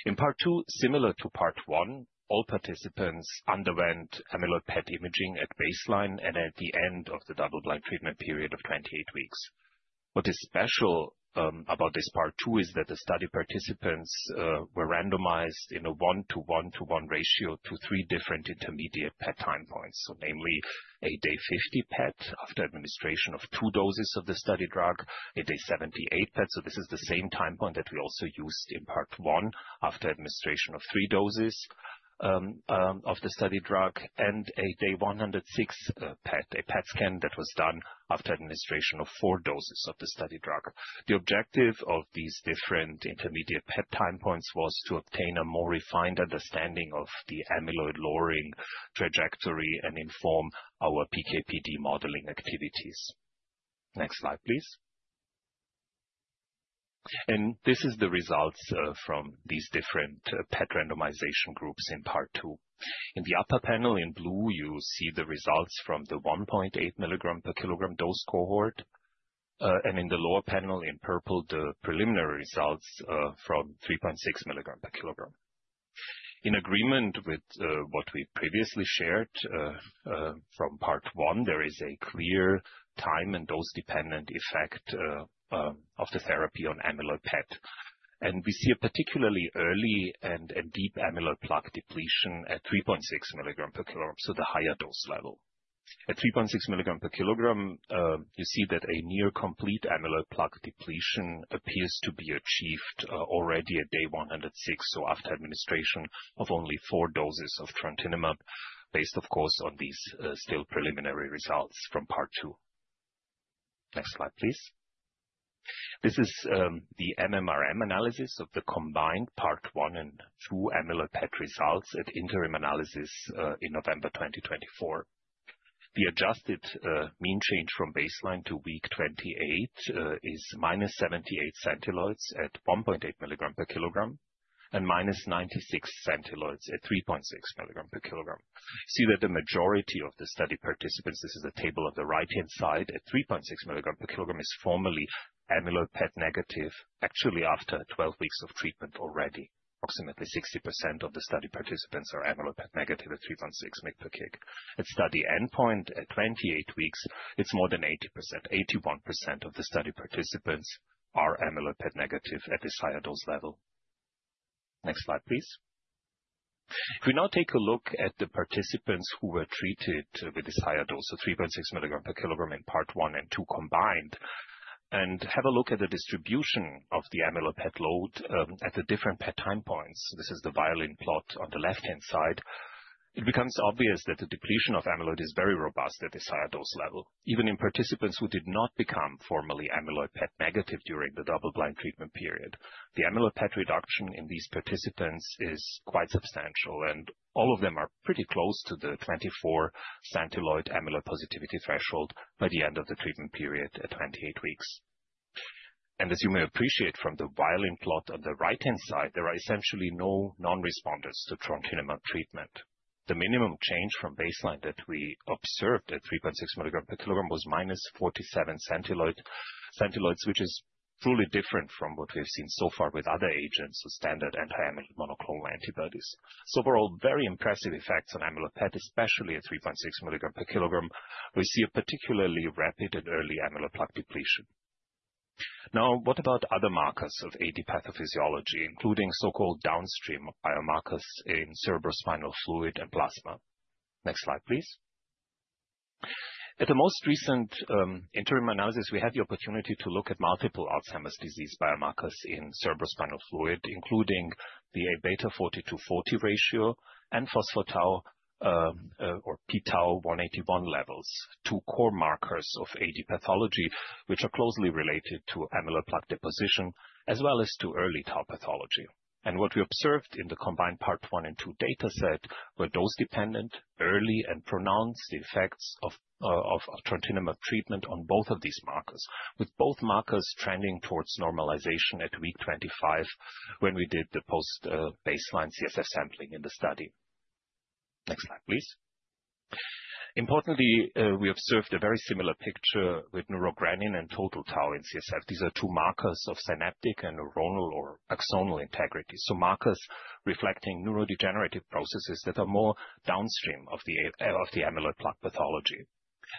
In part two, similar to part one, all participants underwent amyloid PET imaging at baseline and at the end of the double-blind treatment period of 28 weeks. What is special about this part two is that the study participants were randomized in a one-to-one-to-one ratio to three different intermediate PET time points, namely a day 50 PET after administration of two doses of the study drug, a day 78 PET. This is the same time point that we also used in part one after administration of three doses of the study drug, and a day 106 PET, a PET scan that was done after administration of four doses of the study drug. The objective of these different intermediate PET time points was to obtain a more refined understanding of the amyloid lowering trajectory and inform our PK/PD modeling activities. Next slide, please. This is the results from these different PET randomization groups in part two. In the upper panel in blue, you see the results from the 1.8 mg/kg dose cohort. In the lower panel in purple, the preliminary results from 3.6 mg/kg. In agreement with what we previously shared from part one, there is a clear time and dose-dependent effect of the therapy on amyloid PET. We see a particularly early and deep amyloid plaque depletion at 3.6 mg/kg, so the higher dose level. At 3.6 mg/kg, you see that a near-complete amyloid plaque depletion appears to be achieved already at day 106, so after administration of only four doses of trontinemab, based, of course, on these still preliminary results from part two. Next slide, please. This is the MMRM analysis of the combined part one and two amyloid PET results at interim analysis in November 2024. The adjusted mean change from baseline to week 28 is -78 centiloids at 1.8 mg/kg and -96 centiloids at 3.6 mg/kg. You see that the majority of the study participants, this is the table on the right-hand side, at 3.6 mg/kg is formerly amyloid PET negative, actually after 12 weeks of treatment already. Approximately 60% of the study participants are amyloid PET negative at 3.6 mg/kg. At study endpoint at 28 weeks, it's more than 80%, 81% of the study participants are amyloid PET negative at this higher dose level. Next slide, please. If we now take a look at the participants who were treated with this higher dose, so 3.6 mg/kg in part one and two combined, and have a look at the distribution of the amyloid PET load at the different PET time points, this is the violin plot on the left-hand side, it becomes obvious that the depletion of amyloid is very robust at this higher dose level, even in participants who did not become formerly amyloid PET negative during the double-blind treatment period. The amyloid PET reduction in these participants is quite substantial. All of them are pretty close to the 24 centiloid amyloid positivity threshold by the end of the treatment period at 28 weeks. As you may appreciate from the violin plot on the right-hand side, there are essentially no non-responders to trontinemab treatment. The minimum change from baseline that we observed at 3.6 mg/kg was -47 centiloids, which is truly different from what we have seen so far with other agents, standard anti-amyloid monoclonal antibodies. Overall, very impressive effects on amyloid PET, especially at 3.6 mg/kg. We see a particularly rapid and early amyloid plaque depletion. Now, what about other markers of AD pathophysiology, including so-called downstream biomarkers in cerebrospinal fluid and plasma? Next slide, please. At the most recent interim analysis, we had the opportunity to look at multiple Alzheimer's disease biomarkers in cerebrospinal fluid, including the a beta 40/40 ratio and phospho-tau or pTau181 levels, two core markers of AD pathology, which are closely related to amyloid plaque deposition as well as to early tau pathology. What we observed in the combined part one and two data set were dose-dependent, early, and pronounced effects of Trontinemab treatment on both of these markers, with both markers trending towards normalization at week 25 when we did the post-baseline CSF sampling in the study. Next slide, please. Importantly, we observed a very similar picture with neurogranin and total tau in CSF. These are two markers of synaptic and neuronal or axonal integrity, so markers reflecting neurodegenerative processes that are more downstream of the amyloid plaque pathology.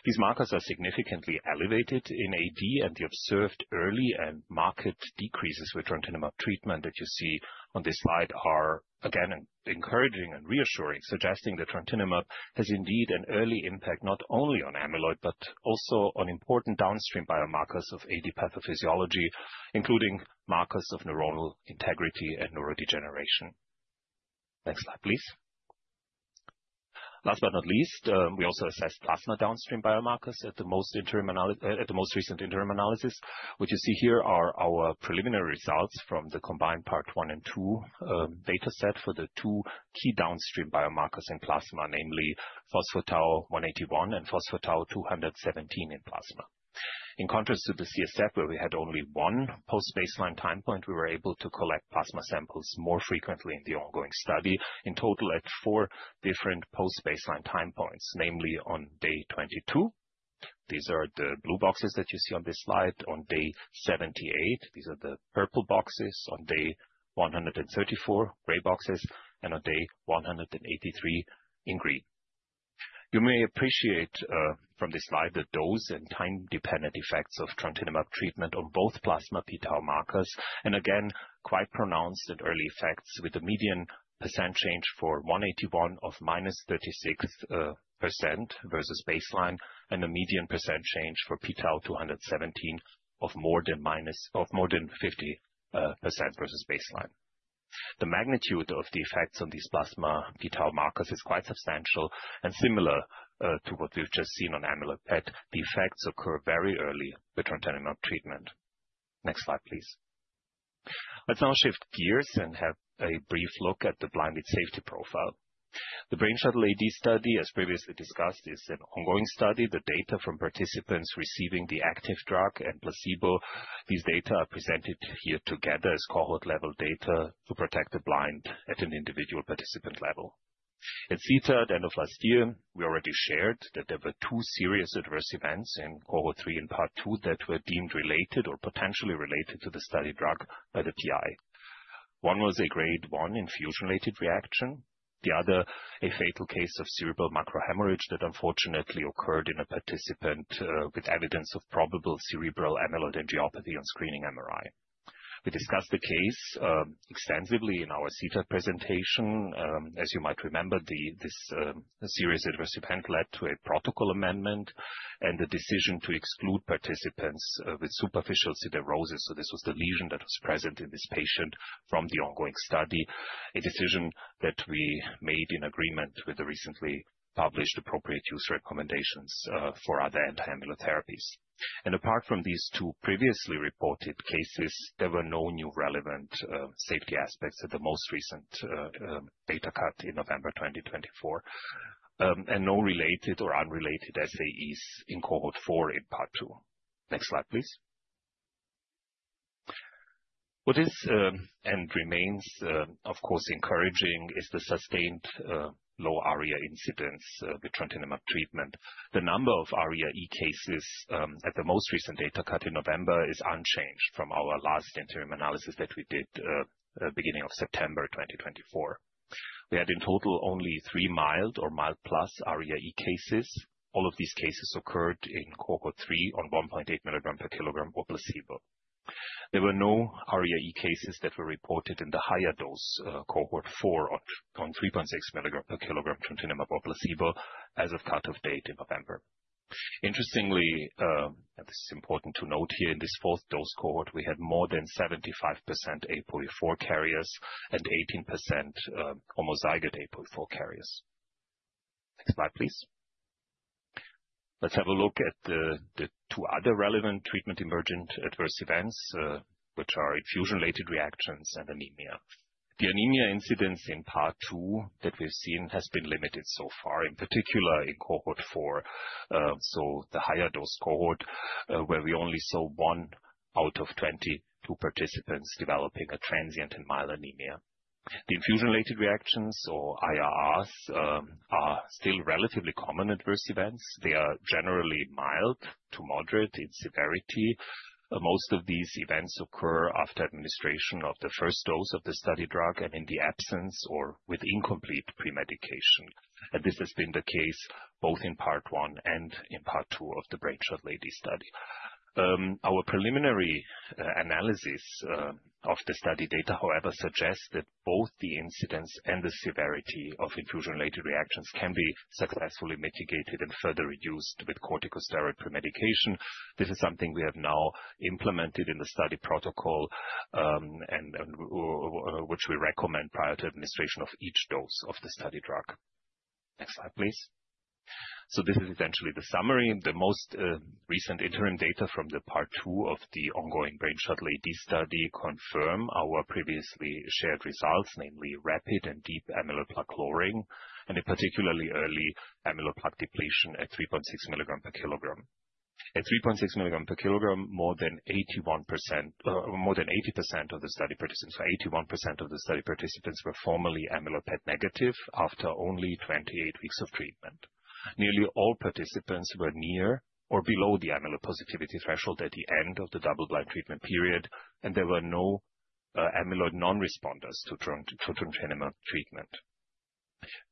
These markers are significantly elevated in AD, and the observed early and marked decreases with trontinemab treatment that you see on this slide are, again, encouraging and reassuring, suggesting that trontinemab has indeed an early impact not only on amyloid, but also on important downstream biomarkers of AD pathophysiology, including markers of neuronal integrity and neurodegeneration. Next slide, please. Last but not least, we also assessed plasma downstream biomarkers at the most recent interim analysis. What you see here are our preliminary results from the combined part one and two data set for the two key downstream biomarkers in plasma, namely pTau181 and pTau217 in plasma. In contrast to the CSF, where we had only one post-baseline time point, we were able to collect plasma samples more frequently in the ongoing study, in total at four different post-baseline time points, namely on day 22. These are the blue boxes that you see on this slide. On day 78, these are the purple boxes, on day 134, gray boxes, and on day 183 in green. You may appreciate from this slide the dose and time-dependent effects of trontinemab treatment on both plasma p-tau markers, and again, quite pronounced and early effects with a median percent change for 181 of -36% versus baseline and a median percent change for pTau217 of more than minus of more than 50% versus baseline. The magnitude of the effects on these plasma p-tau markers is quite substantial and similar to what we've just seen on amyloid PET. The effects occur very early with trontinemab treatment. Next slide, please. Let's now shift gears and have a brief look at the blinded safety profile. The Brainshuttle AD study, as previously discussed, is an ongoing study. The data from participants receiving the active drug and placebo, these data are presented here together as cohort-level data to protect the blind at an individual participant level. At CTAD of last year, we already shared that there were two serious adverse events in cohort three and part two that were deemed related or potentially related to the study drug by the PI. One was a grade one infusion-related reaction. The other, a fatal case of cerebral microhemorrhage that unfortunately occurred in a participant with evidence of probable cerebral amyloid angiopathy on screening MRI. We discussed the case extensively in our CTAD presentation. As you might remember, this serious adverse event led to a protocol amendment and the decision to exclude participants with superficial siderosis. This was the lesion that was present in this patient from the ongoing study, a decision that we made in agreement with the recently published appropriate use recommendations for other anti-amyloid therapies. Apart from these two previously reported cases, there were no new relevant safety aspects at the most recent data cut in November 2024, and no related or unrelated SAEs in cohort four in part two. Next slide, please. What is and remains, of course, encouraging is the sustained low ARIA incidence with trontinemab treatment. The number of ARIA-E cases at the most recent data cut in November is unchanged from our last interim analysis that we did at the beginning of September 2024. We had in total only three mild or mild-plus ARIA-E cases. All of these cases occurred in cohort three on 1.8 mg/kg or placebo. There were no ARIA-E cases that were reported in the higher dose cohort four on 3.6 mg/kg trontinemab or placebo as of cut-off date in November. Interestingly, and this is important to note here in this fourth dose cohort, we had more than 75% APOE4 carriers and 18% homozygous APOE4 carriers. Next slide, please. Let's have a look at the two other relevant treatment emergent adverse events, which are infusion-related reactions and anemia. The anemia incidence in part two that we've seen has been limited so far, in particular in cohort four, so the higher dose cohort, where we only saw one out of 22 participants developing a transient and mild anemia. The infusion-related reactions, or IRRs, are still relatively common adverse events. They are generally mild to moderate in severity. Most of these events occur after administration of the first dose of the study drug and in the absence or with incomplete pre-medication. This has been the case both in part one and in part two of the brain shuttle AD study. Our preliminary analysis of the study data, however, suggests that both the incidence and the severity of infusion-related reactions can be successfully mitigated and further reduced with corticosteroid pre-medication. This is something we have now implemented in the study protocol, which we recommend prior to administration of each dose of the study drug. Next slide, please. This is essentially the summary. The most recent interim data from part two of the ongoing Brainshuttle AD study confirm our previously shared results, namely rapid and deep amyloid plaque lowering and a particularly early amyloid plaque depletion at 3.6 mg/kg. At 3.6 mg/kg, more than 81%, more than 80% of the study participants, or 81% of the study participants were formerly amyloid PET negative after only 28 weeks of treatment. Nearly all participants were near or below the amyloid positivity threshold at the end of the double-blind treatment period, and there were no amyloid non-responders to trontinemab treatment.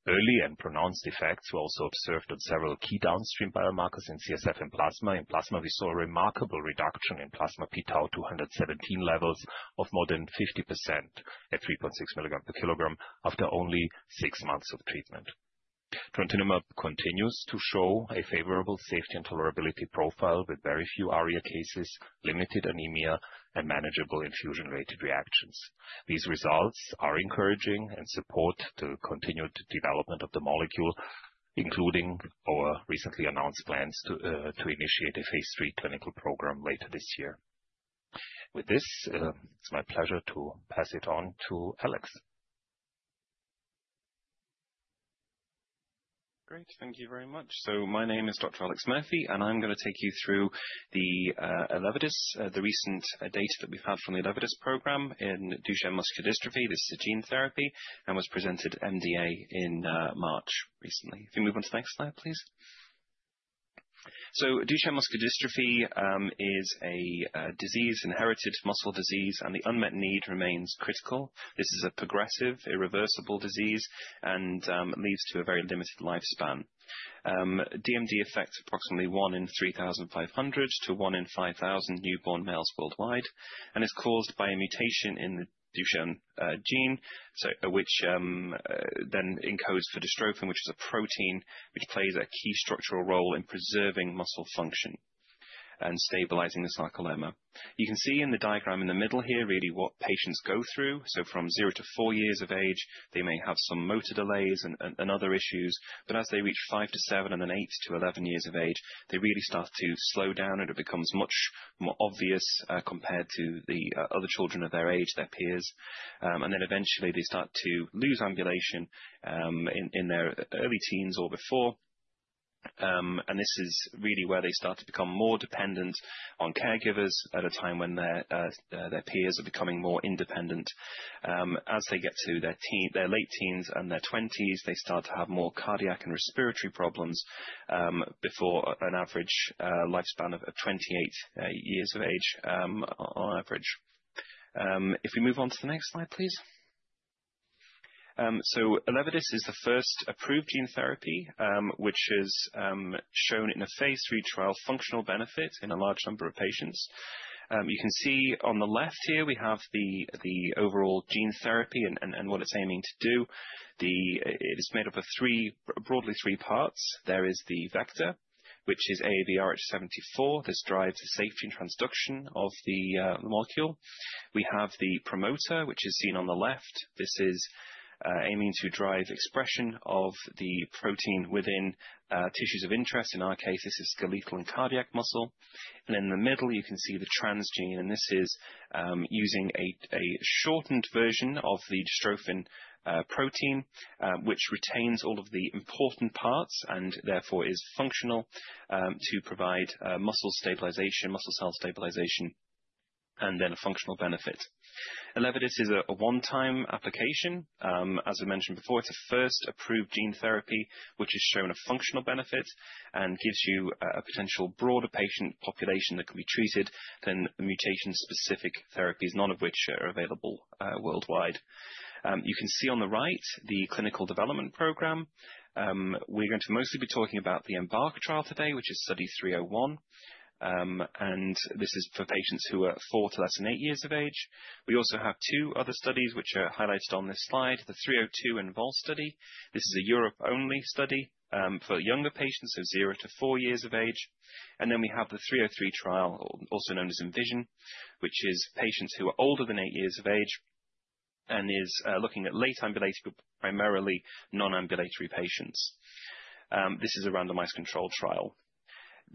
Early and pronounced effects were also observed on several key downstream biomarkers in CSF and plasma. In plasma, we saw a remarkable reduction in plasma pTau217 levels of more than 50% at 3.6 mg/kg after only six months of treatment. Trontinemab continues to show a favorable safety and tolerability profile with very few ARIA cases, limited anemia, and manageable infusion-related reactions. These results are encouraging and support the continued development of the molecule, including our recently announced plans to initiate a phase III clinical program later this year. With this, it's my pleasure to pass it on to Alex. Great. Thank you very much. My name is Dr. Alex Murphy, I'm going to take you through the Elevidys, the recent data that we've had from the Elevidys program in Duchenne muscular dystrophy. This is a gene therapy and was presented at MDA in March recently. If you move on to the next slide, please. Duchenne muscular dystrophy is a disease, inherited muscle disease, and the unmet need remains critical. This is a progressive, irreversible disease and leads to a very limited lifespan. DMD affects approximately one in 3,500 to one in 5,000 newborn males worldwide, and it's caused by a mutation in the Duchenne gene, which then encodes for dystrophin, which is a protein that plays a key structural role in preserving muscle function and stabilizing the sarcolemma. You can see in the diagram in the middle here really what patients go through. From zero to four years of age, they may have some motor delays and other issues, but as they reach five to seven and then eight to eleven years of age, they really start to slow down, and it becomes much more obvious compared to the other children of their age, their peers. Eventually, they start to lose ambulation in their early teens or before. This is really where they start to become more dependent on caregivers at a time when their peers are becoming more independent. As they get to their late teens and their twenties, they start to have more cardiac and respiratory problems before an average lifespan of 28 years of age on average. If we move on to the next slide, please. Elevidys is the first approved gene therapy, which is shown in a phase III trial functional benefit in a large number of patients. You can see on the left here, we have the overall gene therapy and what it's aiming to do. It is made up of broadly three parts. There is the vector, which is AAVrh74. This drives the safety and transduction of the molecule. We have the promoter, which is seen on the left. This is aiming to drive expression of the protein within tissues of interest. In our case, this is skeletal and cardiac muscle. In the middle, you can see the transgene, and this is using a shortened version of the dystrophin protein, which retains all of the important parts and therefore is functional to provide muscle stabilization, muscle cell stabilization, and then a functional benefit. Elevidys is a one-time application. As I mentioned before, it's a first approved gene therapy, which has shown a functional benefit and gives you a potential broader patient population that can be treated than mutation-specific therapies, none of which are available worldwide. You can see on the right the clinical development program. We're going to mostly be talking about the EMBARK trial today, which is study 301. This is for patients who are four to less than eight years of age. We also have two other studies which are highlighted on this slide, the 302 ENVOL study. This is a Europe-only study for younger patients of zero to four years of age. We have the 303 trial, also known as ENVISION, which is patients who are older than eight years of age and is looking at late ambulatory, primarily non-ambulatory patients. This is a randomized control trial.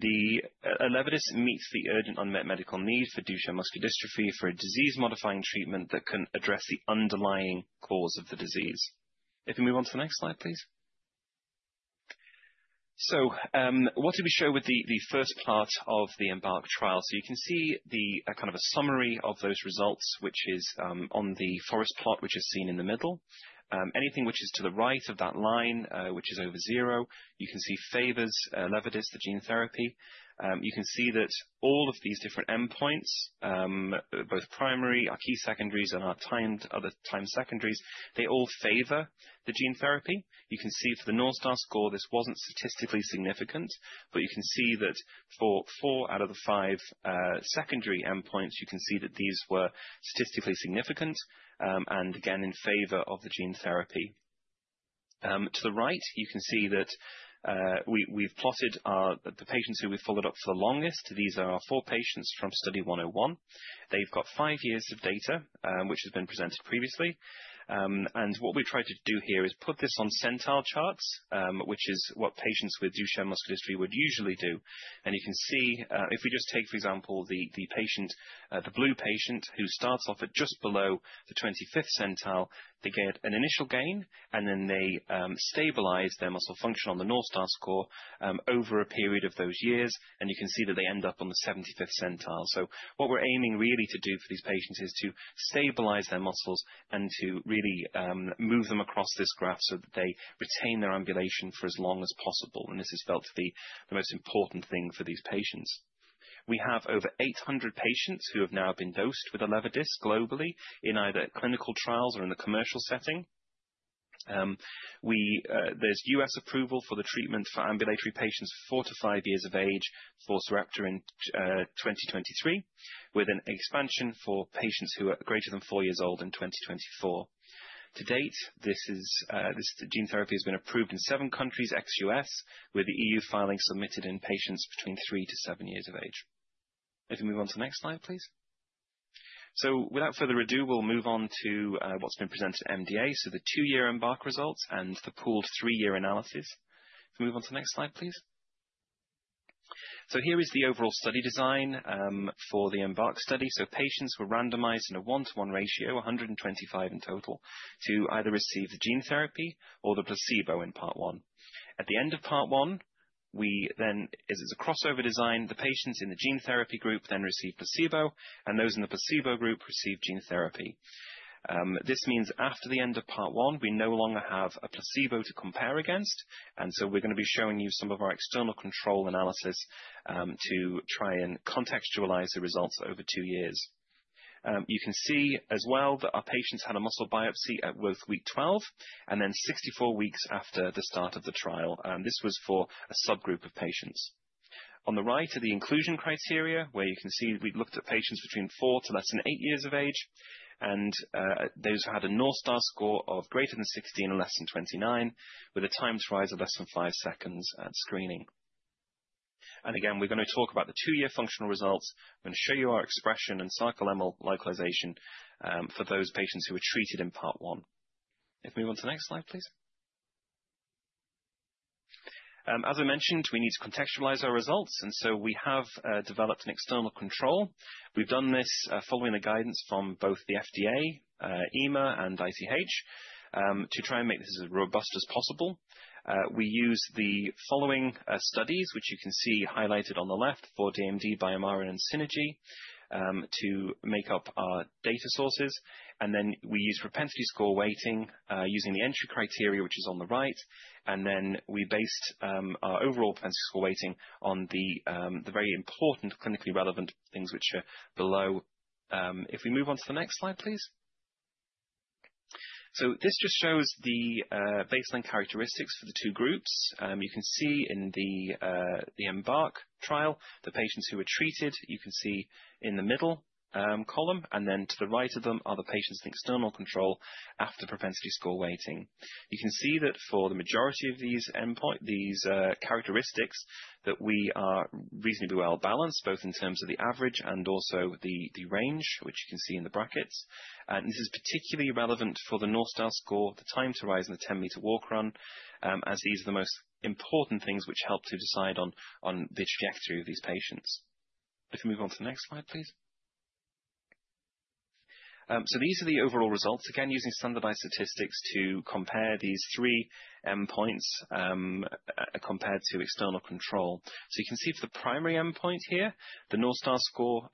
Elevidys meets the urgent unmet medical need for Duchenne muscular dystrophy for a disease-modifying treatment that can address the underlying cause of the disease. If you move on to the next slide, please. What did we show with the first part of the EMBARK trial? You can see kind of a summary of those results, which is on the forest plot, which is seen in the middle. Anything which is to the right of that line, which is over zero, you can see favors Elevidys, the gene therapy. You can see that all of these different endpoints, both primary, our key secondaries, and our other time secondaries, they all favor the gene therapy. You can see for the North Star score, this was not statistically significant, but you can see that for four out of the five secondary endpoints, you can see that these were statistically significant and again in favor of the gene therapy. To the right, you can see that we have plotted the patients who we have followed up for the longest. These are our four patients from study 101. They have five years of data, which has been presented previously. What we have tried to do here is put this on centile charts, which is what patients with Duchenne muscular dystrophy would usually do. You can see if we just take, for example, the patient, the blue patient who starts off at just below the 25th centile, they get an initial gain, and then they stabilize their muscle function on the North Star score over a period of those years. You can see that they end up on the 75th centile. What we are aiming really to do for these patients is to stabilize their muscles and to really move them across this graph so that they retain their ambulation for as long as possible. This is felt to be the most important thing for these patients. We have over 800 patients who have now been dosed with Elevidys globally in either clinical trials or in the commercial setting. There is U.S. approval for the treatment for ambulatory patients four to five years of age for Sarepta in 2023, with an expansion for patients who are greater than four years old in 2024. To date, this gene therapy has been approved in seven countries ex U.S., with the EU filing submitted in patients between three to seven years of age. If you move on to the next slide, please. Without further ado, we'll move on to what's been presented at MDA. The two-year EMBARK results and the pooled three-year analysis. If you move on to the next slide, please. Here is the overall study design for the EMBARK study. Patients were randomized in a one-to-one ratio, 125 in total, to either receive the gene therapy or the placebo in part one. At the end of part one, as it's a crossover design, the patients in the gene therapy group then receive placebo, and those in the placebo group receive gene therapy. This means after the end of part one, we no longer have a placebo to compare against. We're going to be showing you some of our external control analysis to try and contextualize the results over two years. You can see as well that our patients had a muscle biopsy at both week 12 and then 64 weeks after the start of the trial. This was for a subgroup of patients. On the right are the inclusion criteria, where you can see we've looked at patients between four to less than eight years of age and those who had a North Star score of greater than 16 or less than 29, with a time to rise of less than five seconds at screening. Again, we're going to talk about the two-year functional results. I'm going to show you our expression and sarcolemmal localization for those patients who were treated in part one. If you move on to the next slide, please. As I mentioned, we need to contextualize our results. We have developed an external control. We've done this following the guidance from both the FDA, EMA, and ICH to try and make this as robust as possible. We use the following studies, which you can see highlighted on the left for DMD, BioMarin, and [Synergy] to make up our data sources. We use propensity score weighting using the entry criteria, which is on the right. We based our overall propensity score weighting on the very important clinically relevant things, which are below. If we move on to the next slide, please. This just shows the baseline characteristics for the two groups. You can see in the EMBARK trial, the patients who were treated, you can see in the middle column, and then to the right of them are the patients in external control after propensity score weighting. You can see that for the majority of these endpoints, these characteristics, that we are reasonably well balanced, both in terms of the average and also the range, which you can see in the brackets. This is particularly relevant for the North Star score, the time to rise, and the 10 m walk run, as these are the most important things which help to decide on the trajectory of these patients. If you move on to the next slide, please. These are the overall results, again, using standardized statistics to compare these three endpoints compared to external control. You can see for the primary endpoint here, the North Star score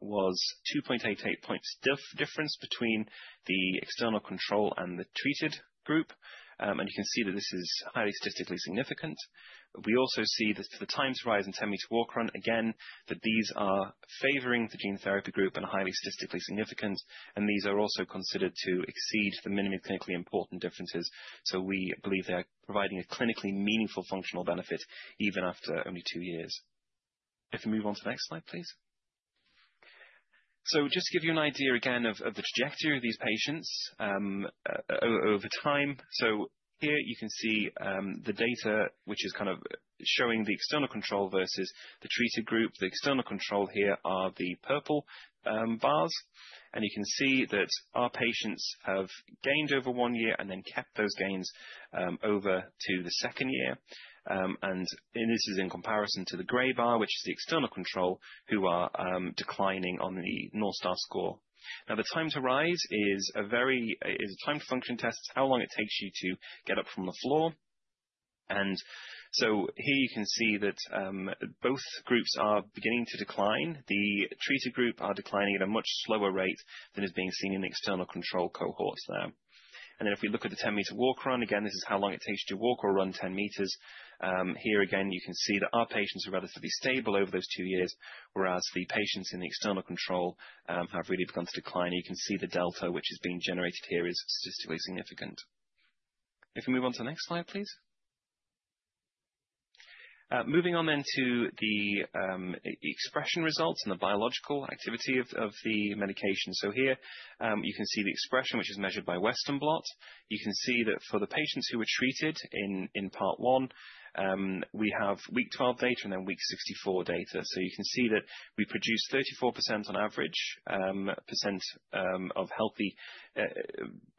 was 2.88 points difference between the external control and the treated group. You can see that this is highly statistically significant. We also see that for the time to rise and 10 m walk run, again, that these are favoring the gene therapy group and highly statistically significant. These are also considered to exceed the minimum clinically important differences. We believe they are providing a clinically meaningful functional benefit even after only two years. If you move on to the next slide, please. Just to give you an idea again of the trajectory of these patients over time. Here you can see the data which is kind of showing the external control versus the treated group. The external control here are the purple bars. You can see that our patients have gained over one year and then kept those gains over to the second year. This is in comparison to the gray bar, which is the external control, who are declining on the North Star score. Now, the time to rise is a time to function test. It's how long it takes you to get up from the floor. Here you can see that both groups are beginning to decline. The treated group are declining at a much slower rate than is being seen in the external control cohorts there. If we look at the 10 m walk run, again, this is how long it takes to walk or run 10 m. Here again, you can see that our patients are relatively stable over those two years, whereas the patients in the external control have really begun to decline. You can see the delta which is being generated here is statistically significant. If you move on to the next slide, please. Moving on then to the expression results and the biological activity of the medication. Here you can see the expression, which is measured by Western Blot. You can see that for the patients who were treated in part one, we have week 12 data and then week 64 data. You can see that we produce 34% on average percent of healthy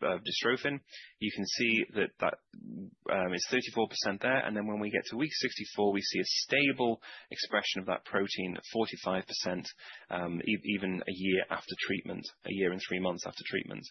dystrophin. You can see that that is 34% there. When we get to week 64, we see a stable expression of that protein, 45%, even a year after treatment, a year and three months after treatment.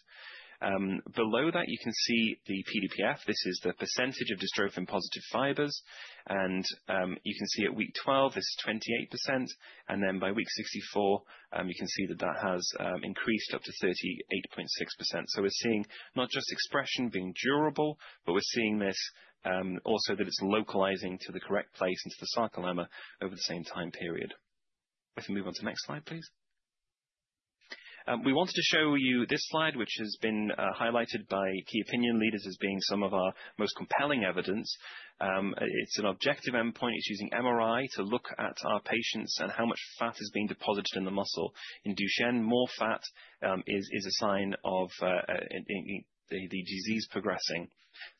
Below that, you can see the PDPF. This is the percentage of dystrophin-positive fibers. You can see at week 12, this is 28%. By week 64, you can see that that has increased up to 38.6%. We're seeing not just expression being durable, but we're seeing this also that it's localizing to the correct place into the sarcolemma over the same time period. If you move on to the next slide, please. We wanted to show you this slide, which has been highlighted by key opinion leaders as being some of our most compelling evidence. It's an objective endpoint. It's using MRI to look at our patients and how much fat is being deposited in the muscle. In Duchenne, more fat is a sign of the disease progressing.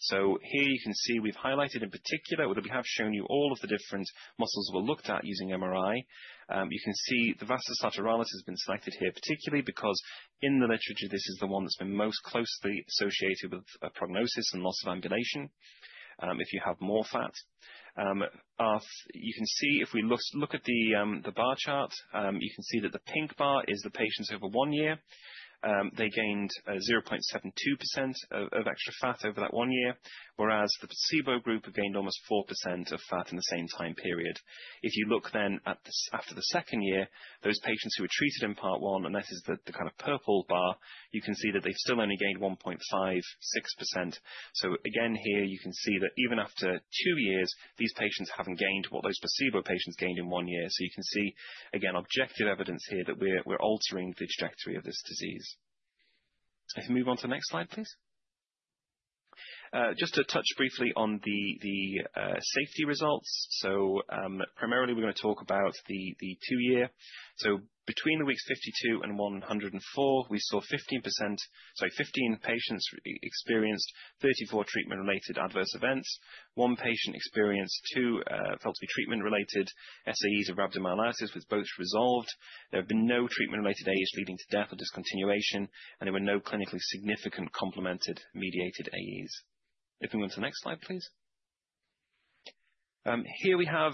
Here you can see we've highlighted in particular, although we have shown you all of the different muscles we look at using MRI, you can see the vastus lateralis has been selected here particularly because in the literature, this is the one that's been most closely associated with prognosis and loss of ambulation. If you have more fat, you can see if we look at the bar chart, you can see that the pink bar is the patients over one year. They gained 0.72% of extra fat over that one year, whereas the placebo group gained almost 4% of fat in the same time period. If you look then after the second year, those patients who were treated in part one, and that is the kind of purple bar, you can see that they've still only gained 1.56%. You can see that even after two years, these patients haven't gained what those placebo patients gained in one year. You can see again, objective evidence here that we're altering the trajectory of this disease. If you move on to the next slide, please. Just to touch briefly on the safety results. Primarily, we're going to talk about the two-year. Between the weeks 52 and 104, we saw 15 patients experienced 34 treatment-related adverse events. One patient experienced two felt to be treatment-related SAEs of rhabdomyolysis, which both resolved. There have been no treatment-related AEs leading to death or discontinuation, and there were no clinically significant complement-mediated AEs. If you move on to the next slide, please. Here we have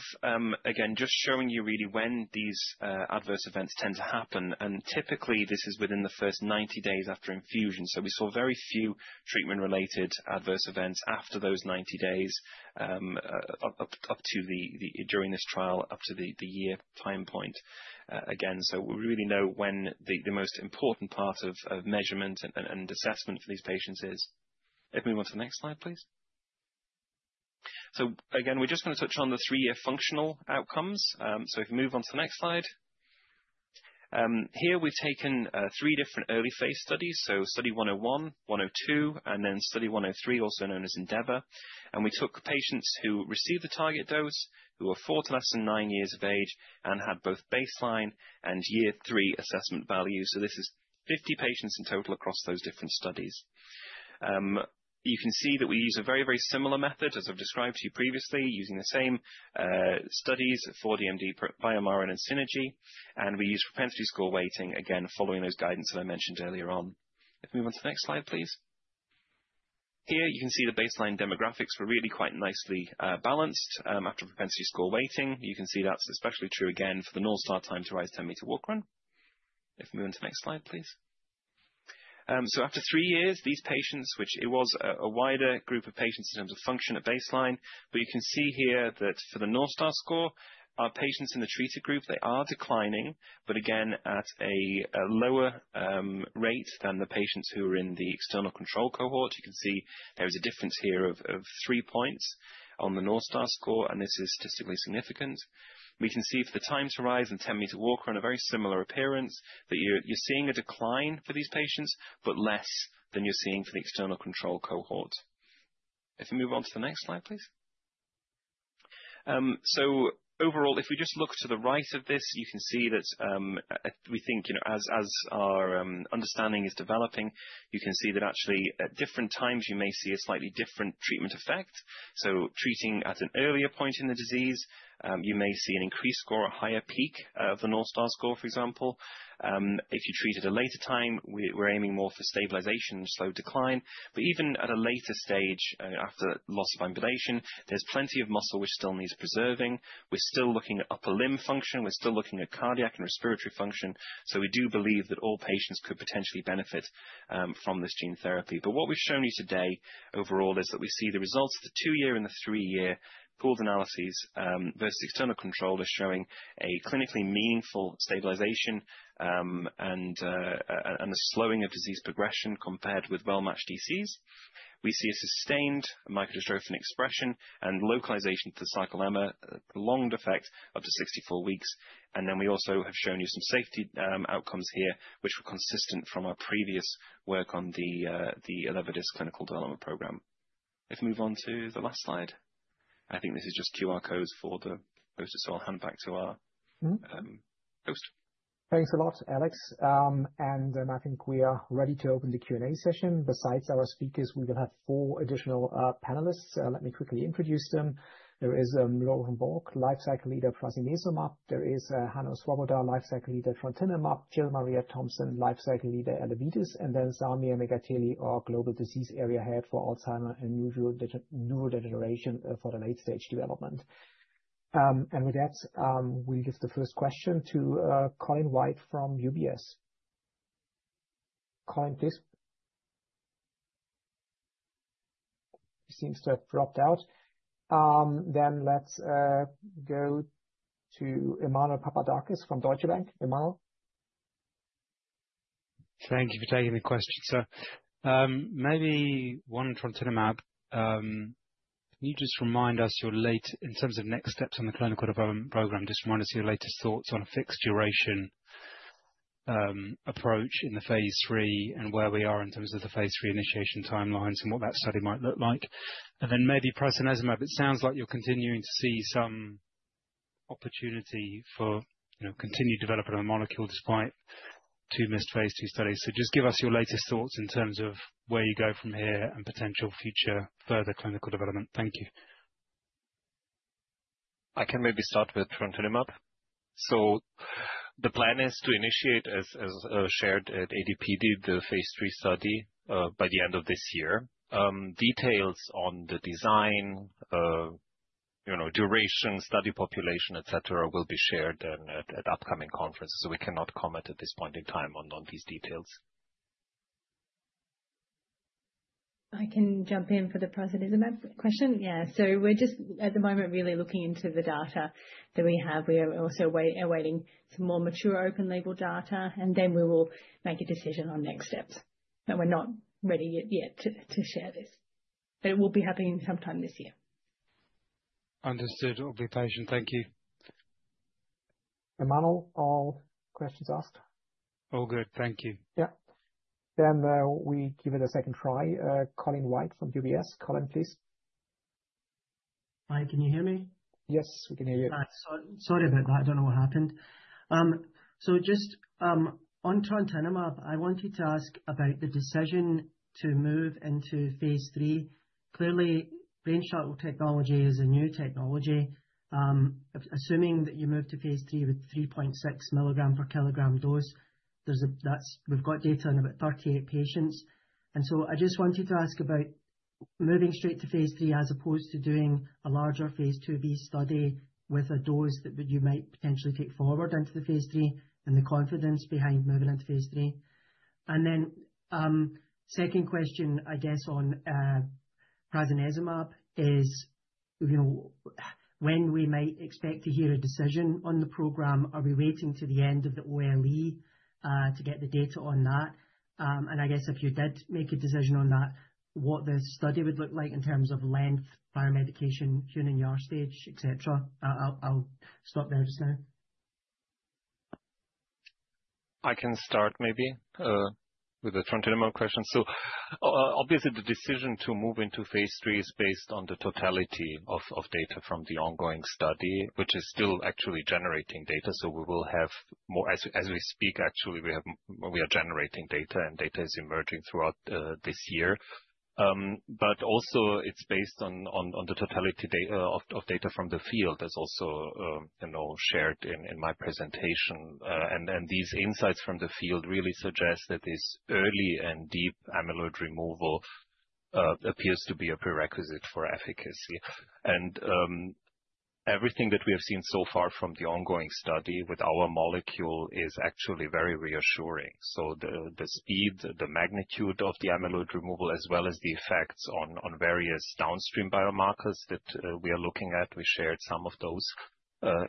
again, just showing you really when these adverse events tend to happen. Typically, this is within the first 90 days after infusion. We saw very few treatment-related adverse events after those 90 days during this trial up to the year time point again. We really know when the most important part of measurement and assessment for these patients is. If you move on to the next slide, please. Again, we're just going to touch on the three-year functional outcomes. If you move on to the next slide, here we've taken three different early phase studies. Study 101, 102, and then study 103, also known as ENDEAVOR. We took patients who received the target dose, who were four to less than nine years of age, and had both baseline and year three assessment values. This is 50 patients in total across those different studies. You can see that we use a very, very similar method, as I've described to you previously, using the same studies for DMD, BioMarin, and [Synergy]. We use propensity score weighting again following those guidance that I mentioned earlier on. If you move on to the next slide, please. Here you can see the baseline demographics were really quite nicely balanced after propensity score weighting. You can see that's especially true again for the North Star time to rise 10 m walk run. If you move on to the next slide, please. After three years, these patients, which it was a wider group of patients in terms of function at baseline, but you can see here that for the North Star score, our patients in the treated group, they are declining, but again, at a lower rate than the patients who were in the external control cohort. You can see there is a difference here of three points on the North Star score, and this is statistically significant. We can see for the time to rise and 10 m walk run a very similar appearance that you're seeing a decline for these patients, but less than you're seeing for the external control cohort. If you move on to the next slide, please. Overall, if we just look to the right of this, you can see that we think as our understanding is developing, you can see that actually at different times, you may see a slightly different treatment effect. Treating at an earlier point in the disease, you may see an increased score or higher peak of the North Star score, for example. If you treat at a later time, we're aiming more for stabilization and slow decline. Even at a later stage, after loss of ambulation, there's plenty of muscle which still needs preserving. We're still looking at upper limb function. We're still looking at cardiac and respiratory function. We do believe that all patients could potentially benefit from this gene therapy. What we've shown you today overall is that we see the results of the two-year and the three-year gold analyses versus external control are showing a clinically meaningful stabilization and a slowing of disease progression compared with well-matched DCs. We see a sustained microdystrophin expression and localization to the sarcolemma along. Effect up to 64 weeks. We also have shown you some safety outcomes here, which were consistent from our previous work on the Elevidys clinical development program. If you move on to the last slide, I think this is just QR codes for the host to soil handbag to our host. Thanks a lot, Alex. I think we are ready to open the Q&A session. Besides our speakers, we will have four additional panelists. Let me quickly introduce them. There is Lauren Boak, life cycle leader for prasinezumab. There is Hanno Svoboda, life cycle leader for trontinemab, Jill Maria Thompson, life cycle leader at Elevidys, and Samir Megateli, our Global Disease Area Head for Alzheimer and neurodegeneration for the late-stage development. With that, we'll give the first question to Colin White from UBS. Colin, please. He seems to have dropped out. Let's go to Emmanuel Papadakis from Deutsche Bank. Emmanuel. Thank you for taking the question, sir. Maybe one from trontinemab. Can you just remind us your late, in terms of next steps on the clinical development program, just remind us of your latest thoughts on a fixed duration approach in the phase III and where we are in terms of the phase III initiation timelines and what that study might look like? Maybe prasinezumab, it sounds like you're continuing to see some opportunity for continued development of the molecule despite two missed phase II studies. Just give us your latest thoughts in terms of where you go from here and potential future further clinical development. Thank you. I can maybe start with trontinemab. The plan is to initiate, as shared at ADPD, the phase III study by the end of this year. Details on the design, duration, study population, etc., will be shared at upcoming conferences. We cannot comment at this point in time on these details. I can jump in for the prasinezumab question. Yeah. We're just at the moment really looking into the data that we have. We are also awaiting some more mature open-label data, and then we will make a decision on next steps. We're not ready yet to share this. It will be happening sometime this year. Understood. [Obligation]. Thank you. Emmanuel, all questions asked? All good. Thank you. Yeah. We give it a second try. Colin White from UBS. Colin, please. Hi. Can you hear me? Yes, we can hear you. Sorry about that. I don't know what happened. Just on trontinemab, I wanted to ask about the decision to move into phase III. Clearly, Brainshuttle technology is a new technology. Assuming that you move to phase III with 3.6 mg/kg dose, we've got data on about 38 patients. I just wanted to ask about moving straight to phase III as opposed to doing a larger phase II-B study with a dose that you might potentially take forward into the phase III and the confidence behind moving into phase III. The second question, I guess, on prasinezumab is when we might expect to hear a decision on the program, are we waiting to the end of the OLE to get the data on that? I guess if you did make a decision on that, what the study would look like in terms of length, biomarker, human stage, etc. I'll stop there just now. I can start maybe with the trontinemab question. Obviously, the decision to move into phase III is based on the totality of data from the ongoing study, which is still actually generating data. We will have more, as we speak, actually, we are generating data and data is emerging throughout this year. It is also based on the totality of data from the field as also shared in my presentation. These insights from the field really suggest that this early and deep amyloid removal appears to be a prerequisite for efficacy. Everything that we have seen so far from the ongoing study with our molecule is actually very reassuring. The speed, the magnitude of the amyloid removal, as well as the effects on various downstream biomarkers that we are looking at, we shared some of those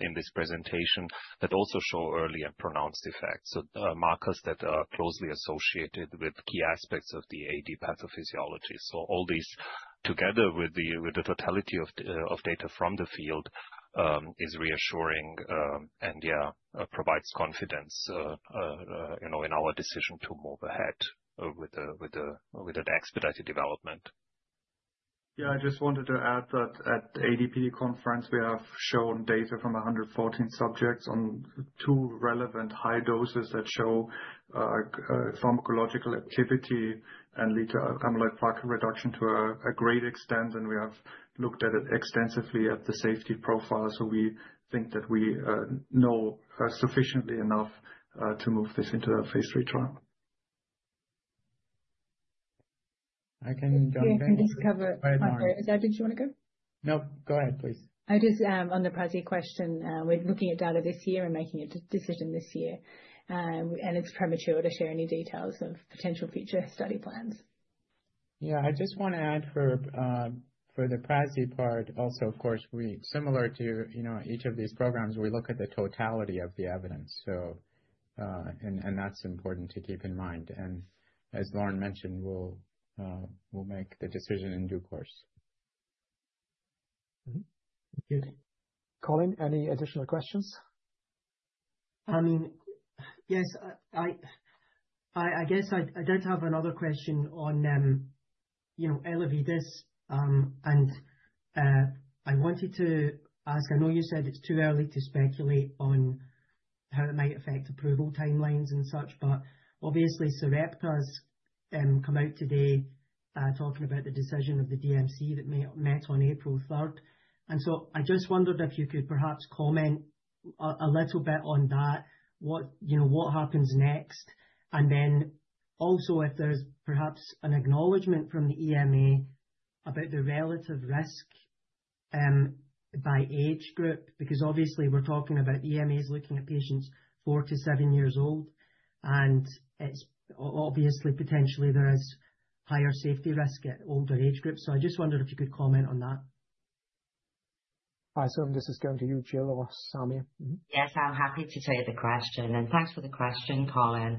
in this presentation, that also show early and pronounced effects. Markers that are closely associated with key aspects of the AD pathophysiology. All these together with the totality of data from the field is reassuring and, yeah, provides confidence in our decision to move ahead with the expedited development. Yeah, I just wanted to add that at the ADPD conference, we have shown data from 114 subjects on two relevant high doses that show pharmacological activity and lead to amyloid plaque reduction to a great extent. We have looked at it extensively at the safety profile. We think that we know sufficiently enough to move this into the phase III trial. I can jump in. If you can just cover, I'm sorry, did you want to go? No, go ahead, please. I was just on the prasi question. We're looking at data this year and making a decision this year. It's premature to share any details of potential future study plans. I just want to add for the prasi part also, of course, similar to each of these programs, we look at the totality of the evidence. That's important to keep in mind. As Lauren mentioned, we'll make the decision in due course. Thank you. Colin, any additional questions? I mean, yes, I guess I don't have another question on Elevidys. I wanted to ask, I know you said it's too early to speculate on how it might affect approval timelines and such, but obviously, Sarepta has come out today talking about the decision of the DMC that met on April 3rd. I just wondered if you could perhaps comment a little bit on that, what happens next. Also, if there's perhaps an acknowledgement from the EMA about the relative risk by age group, because obviously we're talking about EMA's looking at patients four to seven years old. Potentially there is higher safety risk at older age groups. I just wondered if you could comment on that. Hi, this is going to you, Jill or Samir. Yes, I'm happy to take the question. Thanks for the question, Colin.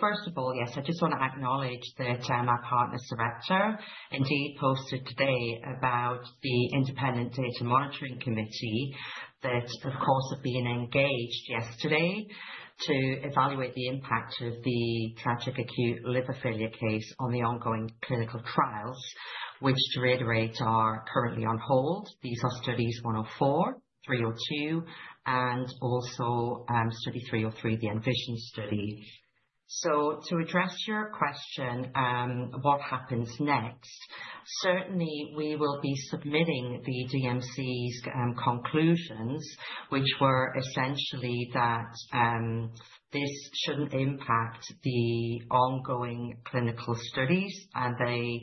First of all, I just want to acknowledge that our partners, Sarepta, indeed posted today about the Independent Data Monitoring Committee that, of course, have been engaged yesterday to evaluate the impact of the tragic acute liver failure case on the ongoing clinical trials, which, to reiterate, are currently on hold. These are studies 104, 302, and also study 303, the ENVISION study. To address your question, what happens next? Certainly, we will be submitting the DMC's conclusions, which were essentially that this should not impact the ongoing clinical studies, and they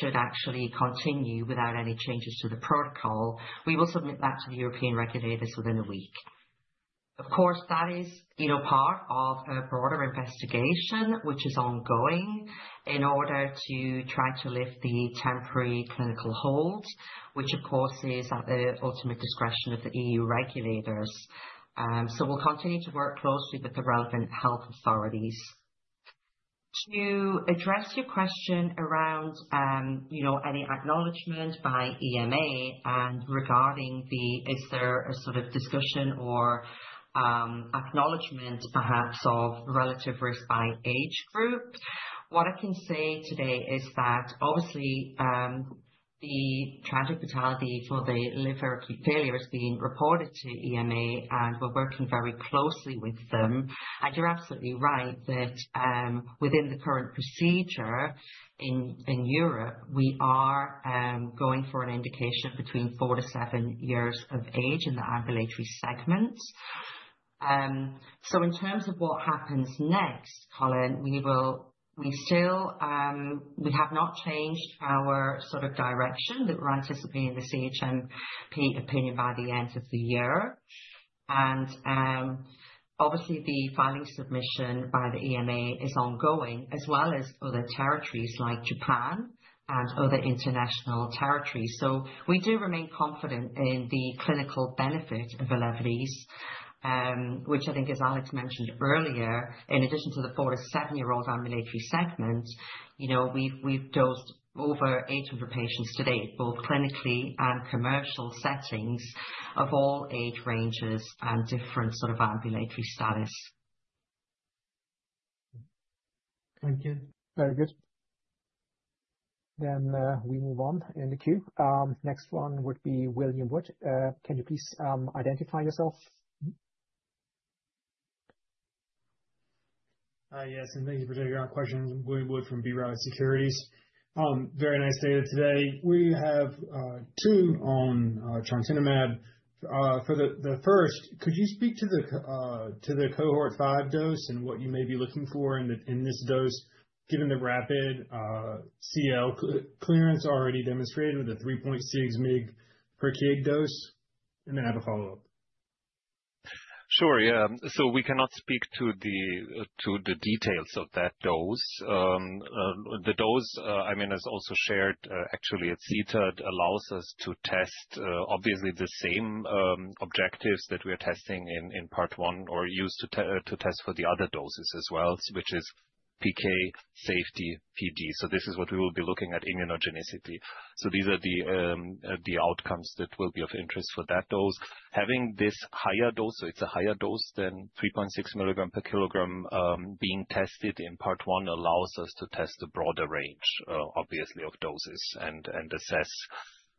should actually continue without any changes to the protocol. We will submit that to the European regulators within a week. Of course, that is part of a broader investigation, which is ongoing in order to try to lift the temporary clinical hold, which, of course, is at the ultimate discretion of the EU regulators. We will continue to work closely with the relevant health authorities. To address your question around any acknowledgement by EMA and regarding the, is there a sort of discussion or acknowledgement perhaps of relative risk by age group, what I can say today is that obviously the tragic totality for the liver acute failure has been reported to EMA, and we are working very closely with them. You are absolutely right that within the current procedure in Europe, we are going for an indication between four to seven years of age in the ambulatory segment. In terms of what happens next, Colin, we still, we have not changed our sort of direction that we're anticipating the CHMP opinion by the end of the year. Obviously, the filing submission by the EMA is ongoing, as well as other territories like Japan and other international territories. We do remain confident in the clinical benefit of Elevidys, which I think, as Alex mentioned earlier, in addition to the four to seven-year-old ambulatory segment, we've dosed over 800 patients today, both clinically and commercial settings of all age ranges and different sort of ambulatory status. Thank you. Very good. We move on in the queue. Next one would be William Wood. Can you please identify yourself? Yes. Thank you for taking our questions. William Wood from B. Riley Securities. Very nice day today. We have two on trontinemab. For the first, could you speak to the cohort five dose and what you may be looking for in this dose, given the rapid CL clearance already demonstrated with a 3.6 mg/kg dose? I have a follow-up. Sure. Yeah. We cannot speak to the details of that dose. The dose, I mean, is also shared actually at CTAD, allows us to test, obviously, the same objectives that we are testing in part one or used to test for the other doses as well, which is PK, safety, PD. This is what we will be looking at, immunogenicity. These are the outcomes that will be of interest for that dose. Having this higher dose, so it is a higher dose than 3.6 mg/kg being tested in part one, allows us to test a broader range, obviously, of doses and assess.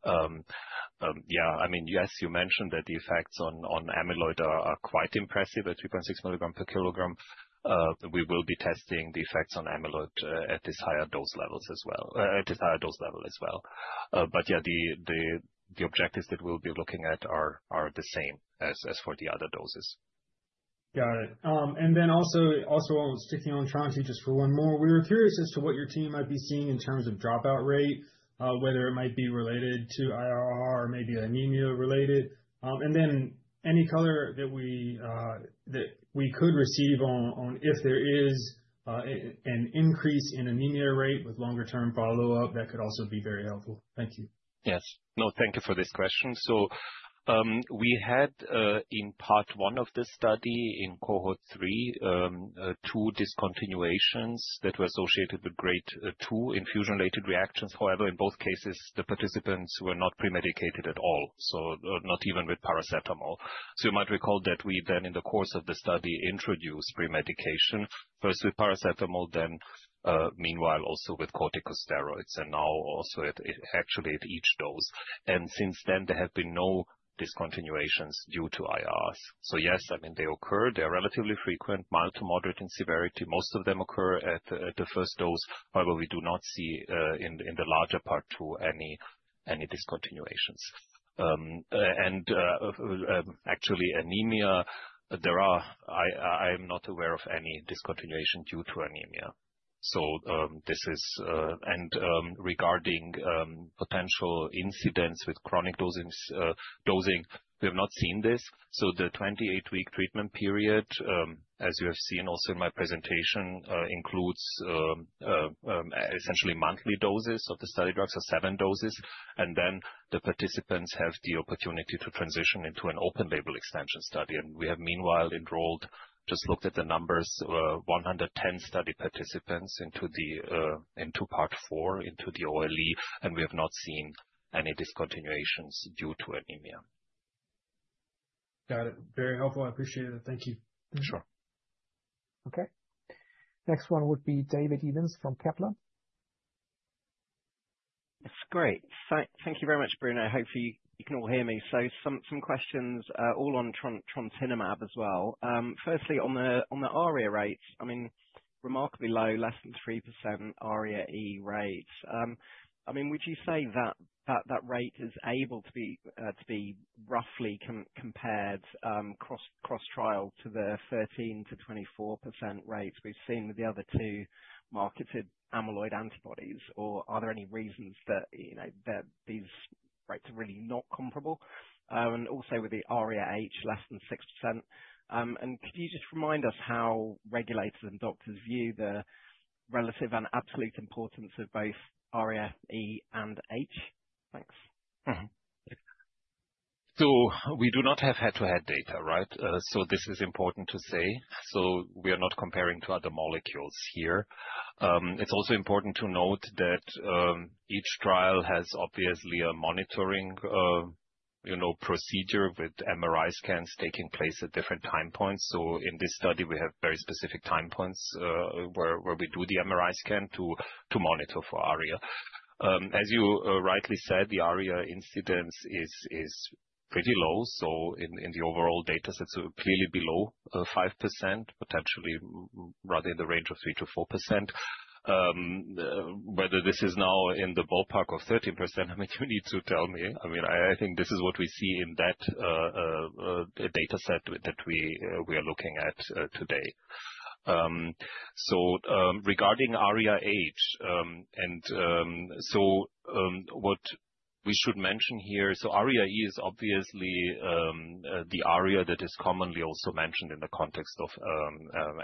Yeah. I mean, yes, you mentioned that the effects on amyloid are quite impressive at 3.6 mg/kg. We will be testing the effects on amyloid at this higher dose level as well. At this higher dose level as well. Yeah, the objectives that we'll be looking at are the same as for the other doses. Got it. Also, sticking on trying to just for one more, we were curious as to what your team might be seeing in terms of dropout rate, whether it might be related to IRR or maybe anemia related. Any color that we could receive on if there is an increase in anemia rate with longer-term follow-up, that could also be very helpful. Thank you. Yes. No, thank you for this question. We had in part one of this study in cohort three, two discontinuations that were associated with grade two infusion-related reactions. However, in both cases, the participants were not premedicated at all, so not even with paracetamol. You might recall that we then in the course of the study introduced premedication, first with paracetamol, then meanwhile also with corticosteroids, and now also actually at each dose. Since then, there have been no discontinuations due to IRRs. Yes, I mean, they occur. They're relatively frequent, mild to moderate in severity. Most of them occur at the first dose, however, we do not see in the larger part two any discontinuations. Actually, anemia, there are, I am not aware of any discontinuation due to anemia. This is, and regarding potential incidents with chronic dosing, we have not seen this. The 28-week treatment period, as you have seen also in my presentation, includes essentially monthly doses of the study drugs, so seven doses. The participants have the opportunity to transition into an open label extension study. We have meanwhile enrolled, just looked at the numbers, 110 study participants into part four into the OLE, and we have not seen any discontinuations due to anemia. Got it. Very helpful. I appreciate it. Thank you. Sure. Okay. Next one would be David Evans from Kepler. That's great. Thank you very much, Bruno. Hopefully, you can all hear me. Some questions all on trontinemab as well. Firstly, on the ARIA rates, I mean, remarkably low, less than 3% ARIA-E rates. I mean, would you say that that rate is able to be roughly compared cross-trial to the 13%-24% rates we've seen with the other two marketed amyloid antibodies, or are there any reasons that these rates are really not comparable? Also with the ARIA-H, less than 6%. Could you just remind us how regulators and doctors view the relative and absolute importance of both ARIA-E and H? Thanks. We do not have head-to-head data, right? This is important to say. We are not comparing to other molecules here. It's also important to note that each trial has obviously a monitoring procedure with MRI scans taking place at different time points. In this study, we have very specific time points where we do the MRI scan to monitor for ARIA. As you rightly said, the ARIA incidence is pretty low. In the overall datasets, clearly below 5%, potentially rather in the range of 3%-4%. Whether this is now in the ballpark of 13%, I mean, you need to tell me. I mean, I think this is what we see in that dataset that we are looking at today. Regarding ARIA-H, what we should mention here, ARIA-E is obviously the ARIA that is commonly also mentioned in the context of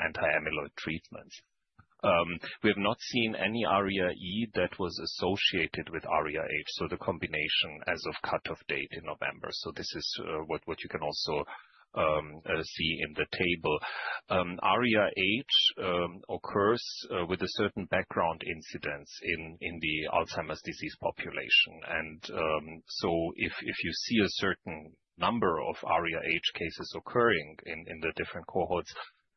anti-amyloid treatments. We have not seen any ARIA-E that was associated with ARIA-H. The combination as of cut-off date in November. This is what you can also see in the table. ARIA-H occurs with a certain background incidence in the Alzheimer's disease population. If you see a certain number of ARIA-H cases occurring in the different cohorts,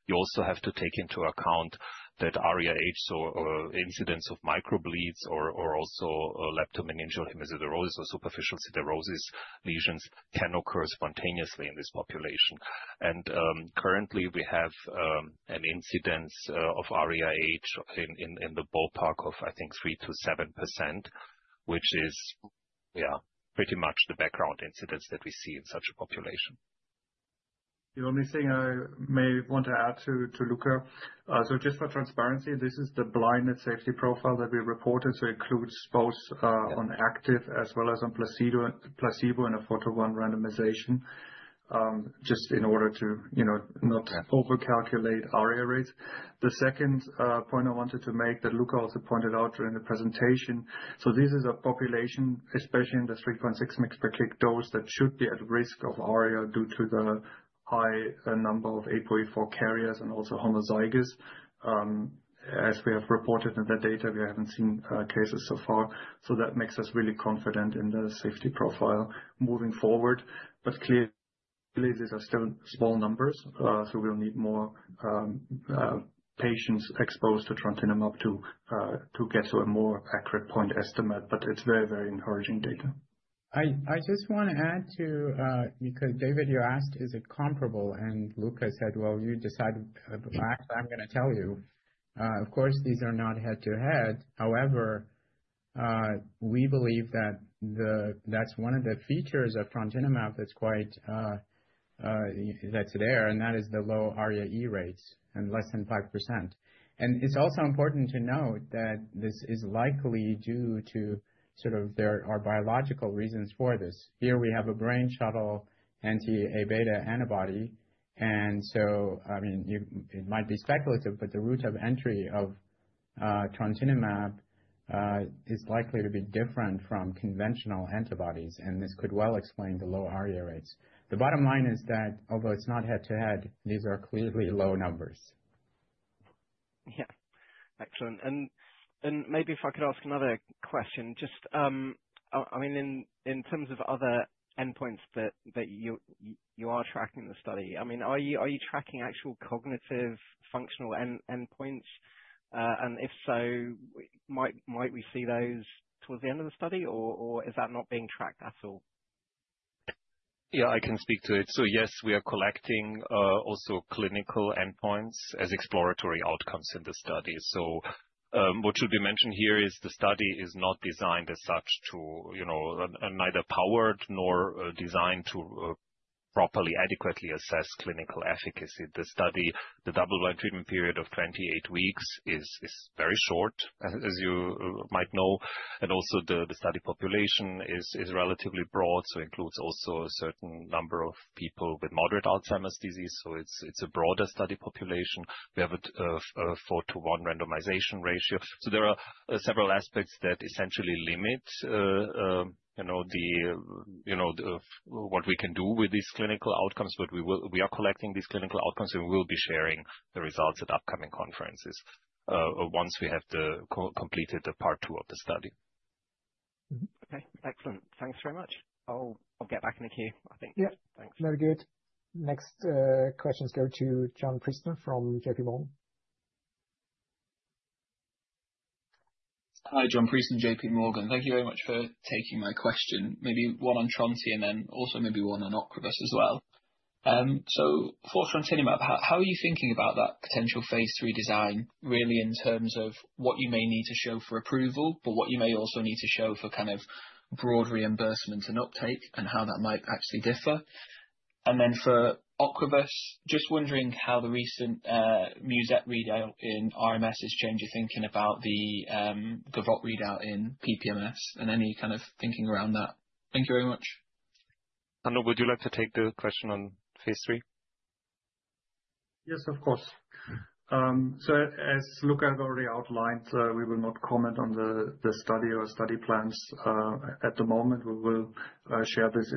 you also have to take into account that ARIA-H incidence of microbleeds or also leptomeningeal hemosiderosis or superficial siderosis lesions can occur spontaneously in this population. Currently, we have an incidence of ARIA-H in the ballpark of, I think, 3-7%, which is pretty much the background incidence that we see in such a population. The only thing I may want to add to Luka, just for transparency, this is the blinded safety profile that we reported. It includes both on active as well as on placebo in a four-to-one randomization, just in order to not overcalculate ARIA rates. The second point I wanted to make that Luka also pointed out during the presentation. This is a population, especially in the 3.6 mg/kg dose, that should be at risk of ARIA due to the high number of APOE4 carriers and also homozygous. As we have reported in the data, we haven't seen cases so far. That makes us really confident in the safety profile moving forward. Clearly, these are still small numbers. We'll need more patients exposed to trontinemab to get to a more accurate point estimate. It's very, very encouraging data. I just want to add too, because David, you asked, is it comparable? Luca said, well, you decide. Actually, I'm going to tell you. Of course, these are not head-to-head. However, we believe that that's one of the features of trontinemab that's there, and that is the low ARIA-E rates and less than 5%. It is also important to note that this is likely due to sort of there are biological reasons for this. Here we have a Brainshuttle anti-A beta antibody. I mean, it might be speculative, but the route of entry of trontinemab is likely to be different from conventional antibodies. This could well explain the low ARIA rates. The bottom line is that although it is not head-to-head, these are clearly low numbers. Yeah. Excellent. Maybe if I could ask another question, just, I mean, in terms of other endpoints that you are tracking in the study, I mean, are you tracking actual cognitive functional endpoints? If so, might we see those towards the end of the study, or is that not being tracked at all? Yeah, I can speak to it. Yes, we are collecting also clinical endpoints as exploratory outcomes in the study. What should be mentioned here is the study is not designed as such to, neither powered nor designed to properly, adequately assess clinical efficacy. The study, the double-blind treatment period of 28 weeks is very short, as you might know. Also, the study population is relatively broad, so it includes also a certain number of people with moderate Alzheimer's disease. It is a broader study population. We have a four-to-one randomization ratio. There are several aspects that essentially limit what we can do with these clinical outcomes, but we are collecting these clinical outcomes, and we will be sharing the results at upcoming conferences once we have completed part two of the study. Okay. Excellent. Thanks very much. I'll get back in the queue, I think. Yeah. Thanks. Very good. Next questions go to John Priestner from JPMorgan. Hi, John Priestner, JPMorgan. Thank you very much for taking my question. Maybe one on trontinemab and also maybe one on Ocrevus as well. For trontinemab, how are you thinking about that potential phase III design, really in terms of what you may need to show for approval, but what you may also need to show for kind of broad reimbursement and uptake, and how that might actually differ? For Ocrevus, just wondering how the recent MUSETTE readout in RMS has changed your thinking about the GAVOTTE readout in PPMS and any kind of thinking around that. Thank you very much. Hanno, would you like to take the question on phase III? Yes, of course. As Luka has already outlined, we will not comment on the study or study plans at the moment. We will share this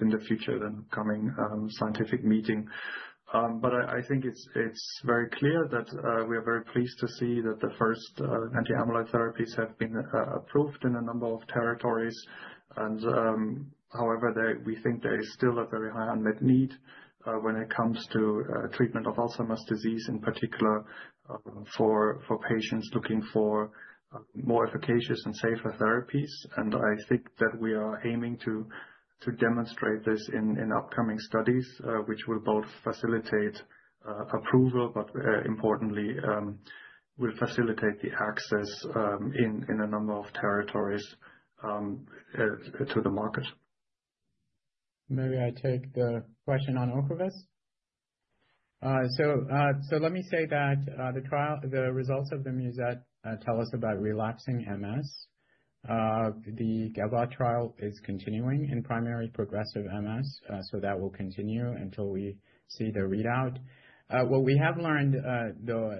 in the future and upcoming scientific meeting. I think it's very clear that we are very pleased to see that the first anti-amyloid therapies have been approved in a number of territories. However, we think there is still a very high unmet need when it comes to treatment of Alzheimer's disease, in particular for patients looking for more efficacious and safer therapies. I think that we are aiming to demonstrate this in upcoming studies, which will both facilitate approval, but importantly, will facilitate the access in a number of territories to the market. Maybe I take the question on Ocrevus. Let me say that the results of the MUSETTE tell us about relapsing MS. The GAVOTTE trial is continuing in primary progressive MS, so that will continue until we see the readout. What we have learned, though,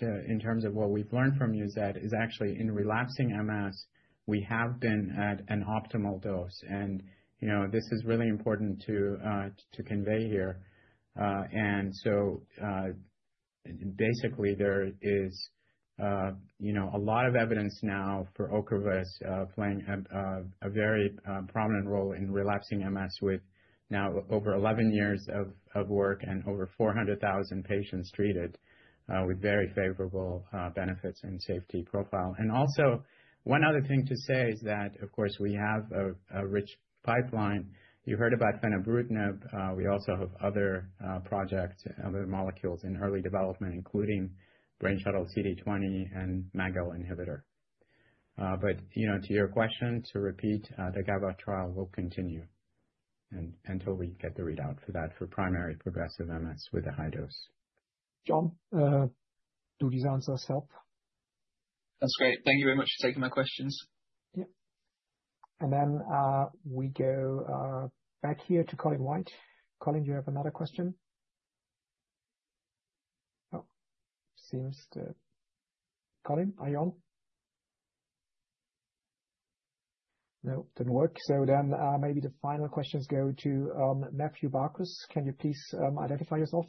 in terms of what we've learned from MUSETTE, is actually in relapsing MS, we have been at an optimal dose. This is really important to convey here. There is a lot of evidence now for Ocrevus playing a very prominent role in relapsing MS with now over 11 years of work and over 400,000 patients treated with very favorable benefits and safety profile. Also, one other thing to say is that, of course, we have a rich pipeline. You heard about fenebrutinib. We also have other projects, other molecules in early development, including Brainshuttle CD20 and MAGL inhibitor. To your question, to repeat, the GAVOTTE trial will continue until we get the readout for that for primary progressive MS with a high dose. John, do these answers help? That's great. Thank you very much for taking my questions. Yeah. And then we go back here to Colin White. Colin, do you have another question? Oh, seems that Colin, are you on? No, did not work. Maybe the final questions go to Matthew Barkus. Can you please identify yourself?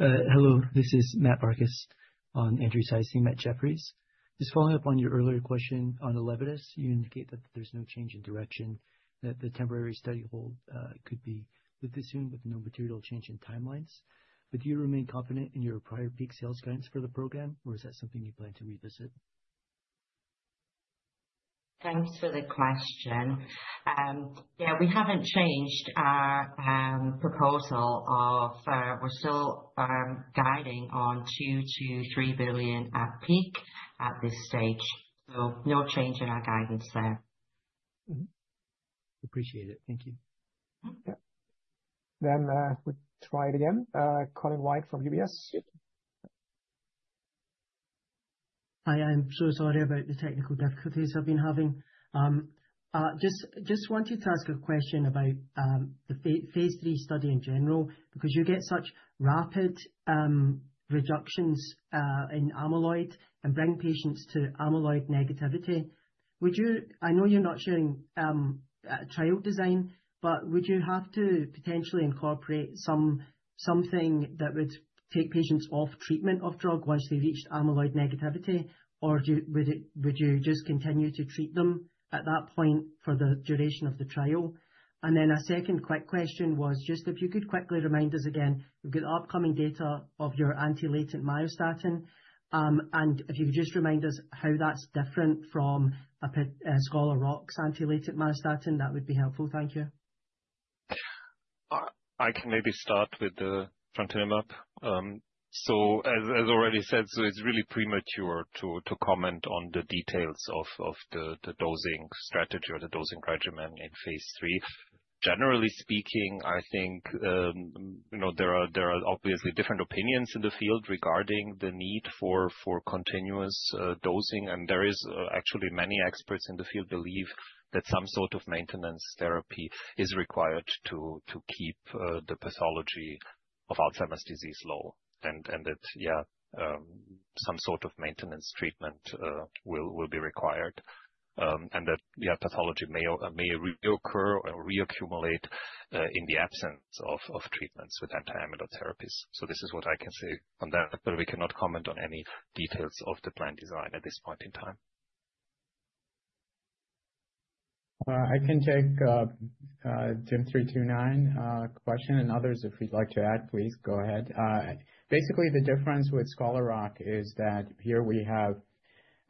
Hello, this is Matt Barkus on Andrew's [side. See Matt Jefferies. Just following up on your earlier question on Elevidys, you indicate that there is no change in direction, that the temporary study hold could be withdrawn soon with no material change in timelines. Do you remain confident in your prior peak sales guidance for the program, or is that something you plan to revisit? Thanks for the question. Yeah, we have not changed our proposal of we are still guiding on $2 billion-$3 billion at peak at this stage. No change in our guidance there. Appreciate it. Thank you. Yeah. Then we will try it again. Colin White from UBS. Hi, I'm so sorry about the technical difficulties I've been having. Just wanted to ask a question about the phase III study in general, because you get such rapid reductions in amyloid and bring patients to amyloid negativity. I know you're not sharing a trial design, but would you have to potentially incorporate something that would take patients off treatment of drug once they reached amyloid negativity, or would you just continue to treat them at that point for the duration of the trial? A second quick question was just if you could quickly remind us again, we've got upcoming data of your anti-latent myostatin. If you could just remind us how that's different from Scholar Rock's anti-latent myostatin, that would be helpful. Thank you. I can maybe start with the trontinemab. As already said, it is really premature to comment on the details of the dosing strategy or the dosing regimen in phase III. Generally speaking, I think there are obviously different opinions in the field regarding the need for continuous dosing. There are actually many experts in the field who believe that some sort of maintenance therapy is required to keep the pathology of Alzheimer's disease low. Some sort of maintenance treatment will be required. Pathology may reoccur or reaccumulate in the absence of treatments with anti-amyloid therapies. This is what I can say on that. We cannot comment on any details of the plan design at this point in time. I can take GYM329 question and others. If you'd like to add, please go ahead. Basically, the difference with Scholar Rock is that here we have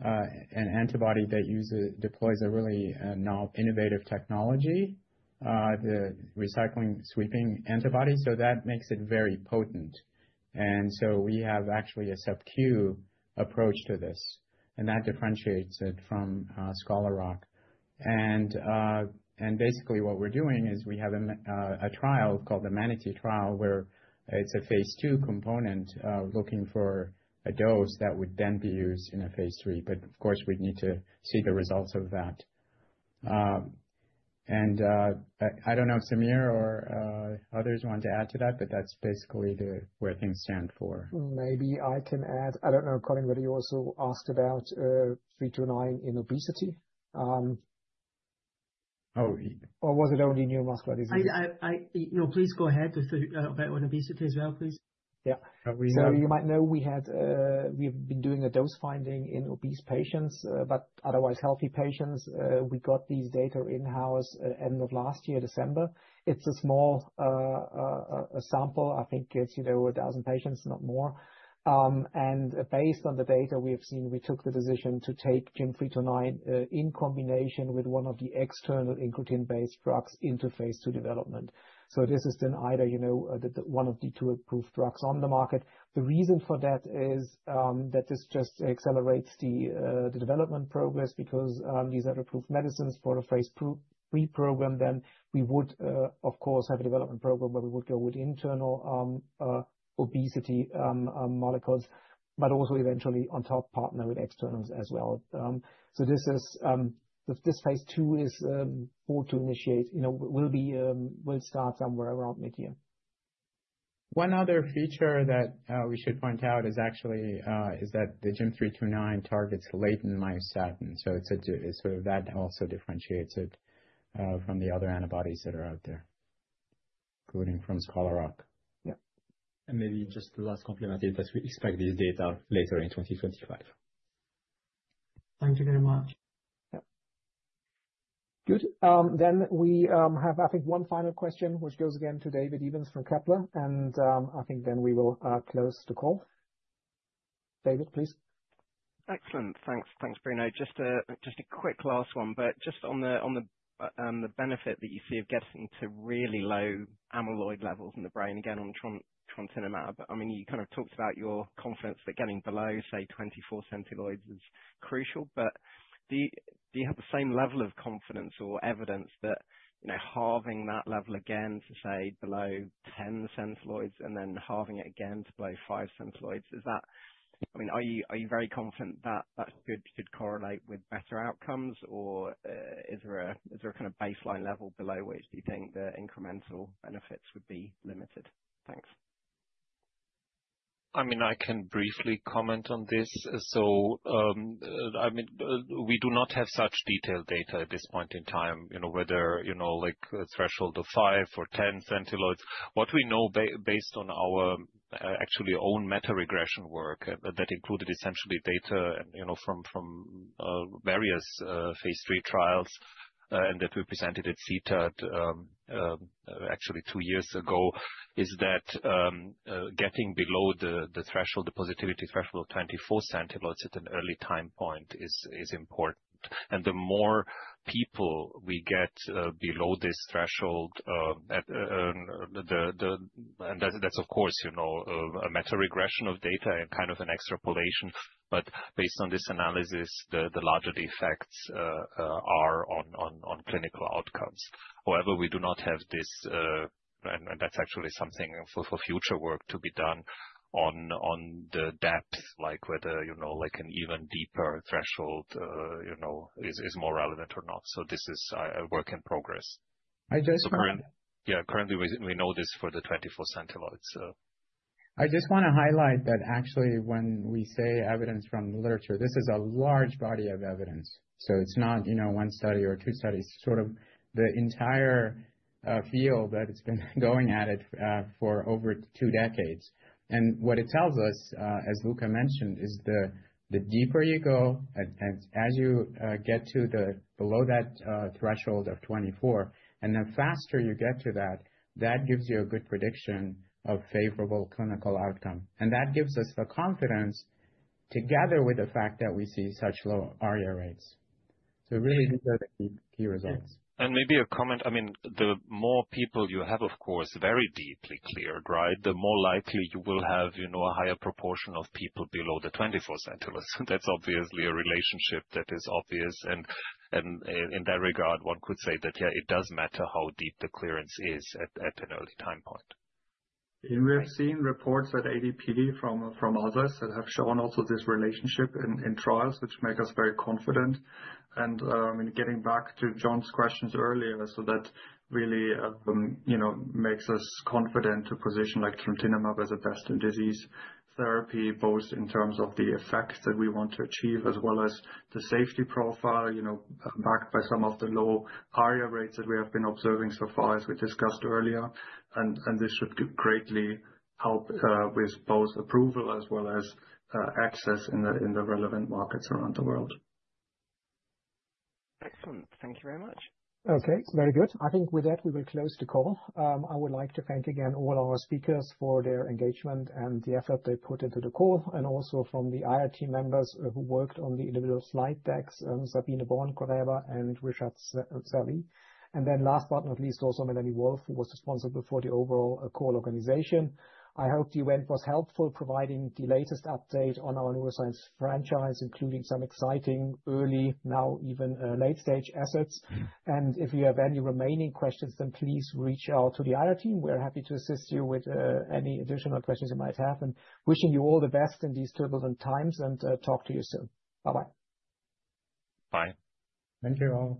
an antibody that deploys a really innovative technology, the recycling sweeping antibody. That makes it very potent. We have actually a sub-queue approach to this. That differentiates it from Scholar Rock. Basically, what we're doing is we have a trial called the MANATEE trial, where it's a phase II component looking for a dose that would then be used in a phase III. Of course, we'd need to see the results of that. I don't know if Samir or others want to add to that, but that's basically where things stand for. Maybe I can add. I don't know, Colin, whether you also asked about 329 in obesity. Oh, or was it only neuromuscular disease? No, please go ahead with about obesity as well, please. Yeah. You might know we've been doing a dose finding in obese patients, but otherwise healthy patients. We got these data in-house at the end of last year, December. It's a small sample. I think it's 1,000 patients, not more. Based on the data we have seen, we took the decision to take GYM329 in combination with one of the external incotrin-based drugs into phase II development. This is then either one of the two approved drugs on the market. The reason for that is that this just accelerates the development progress because these are approved medicines for a phase III program. We would, of course, have a development program where we would go with internal obesity molecules, but also eventually on top partner with externals as well. This phase II is thought to initiate, will start somewhere around mid-year. One other feature that we should point out is actually that the GYM329 targets latent myostatin. So it is sort of that also differentiates it from the other antibodies that are out there, including from Scholar Rock. Yeah. Maybe just the last compliment is that we expect these data later in 2025. Thank you very much. Yeah. Good. We have, I think, one final question, which goes again to David Evans from Kepler. I think we will close the call. David, please. Excellent. Thanks. Thanks, Bruno. Just a quick last one, but just on the benefit that you see of getting to really low amyloid levels in the brain, again, on trontinemab. I mean, you kind of talked about your confidence that getting below, say, 24 centiloids is crucial. Do you have the same level of confidence or evidence that halving that level again to say below 10 centiloids and then halving it again to below 5 centiloids? I mean, are you very confident that that could correlate with better outcomes, or is there a kind of baseline level below which you think the incremental benefits would be limited? Thanks. I mean, I can briefly comment on this. I mean, we do not have such detailed data at this point in time, whether a threshold of 5 or 10 centiloids. What we know based on our actually own meta-regression work that included essentially data from various phase III trials and that we presented at CTAD actually two years ago is that getting below the positivity threshold of 24 centiloids at an early time point is important. The more people we get below this threshold, and that's, of course, a meta-regression of data and kind of an extrapolation. But based on this analysis, the larger the effects are on clinical outcomes. However, we do not have this, and that's actually something for future work to be done on the depth, like whether an even deeper threshold is more relevant or not. This is a work in progress. Yeah, currently, we know this for the 24 centiloids. I just want to highlight that actually when we say evidence from the literature, this is a large body of evidence. It's not one study or two studies. It's sort of the entire field that it's been going at it for over two decades. What it tells us, as Luka mentioned, is the deeper you go, as you get to below that threshold of 24, and the faster you get to that, that gives you a good prediction of favorable clinical outcome. That gives us the confidence together with the fact that we see such low ARIA rates. These are the key results. Maybe a comment. I mean, the more people you have, of course, very deeply cleared, right, the more likely you will have a higher proportion of people below the 24 centiloids. That is obviously a relationship that is obvious. In that regard, one could say that, yeah, it does matter how deep the clearance is at an early time point. We have seen reports at ADPD from others that have shown also this relationship in trials, which makes us very confident. Getting back to John's questions earlier, that really makes us confident to position trontinemab as a best-in-disease therapy, both in terms of the effects that we want to achieve as well as the safety profile, backed by some of the low ARIA rates that we have been observing so far, as we discussed earlier. This should greatly help with both approval as well as access in the relevant markets around the world. Excellent. Thank you very much. Okay, very good. I think with that, we will close the call. I would like to thank again all our speakers for their engagement and the effort they put into the call, and also from the IR team members who worked on the individual slide decks, Sabine Born, Correba, and Richard Selvig. Last but not least, also Melanie Wolf, who was responsible for the overall call organization. I hope the event was helpful, providing the latest update on our neuroscience franchise, including some exciting early, now even late-stage assets. If you have any remaining questions, please reach out to the IR team. We're happy to assist you with any additional questions you might have. Wishing you all the best in these turbulent times and talk to you soon. Bye-bye. Bye. Thank you.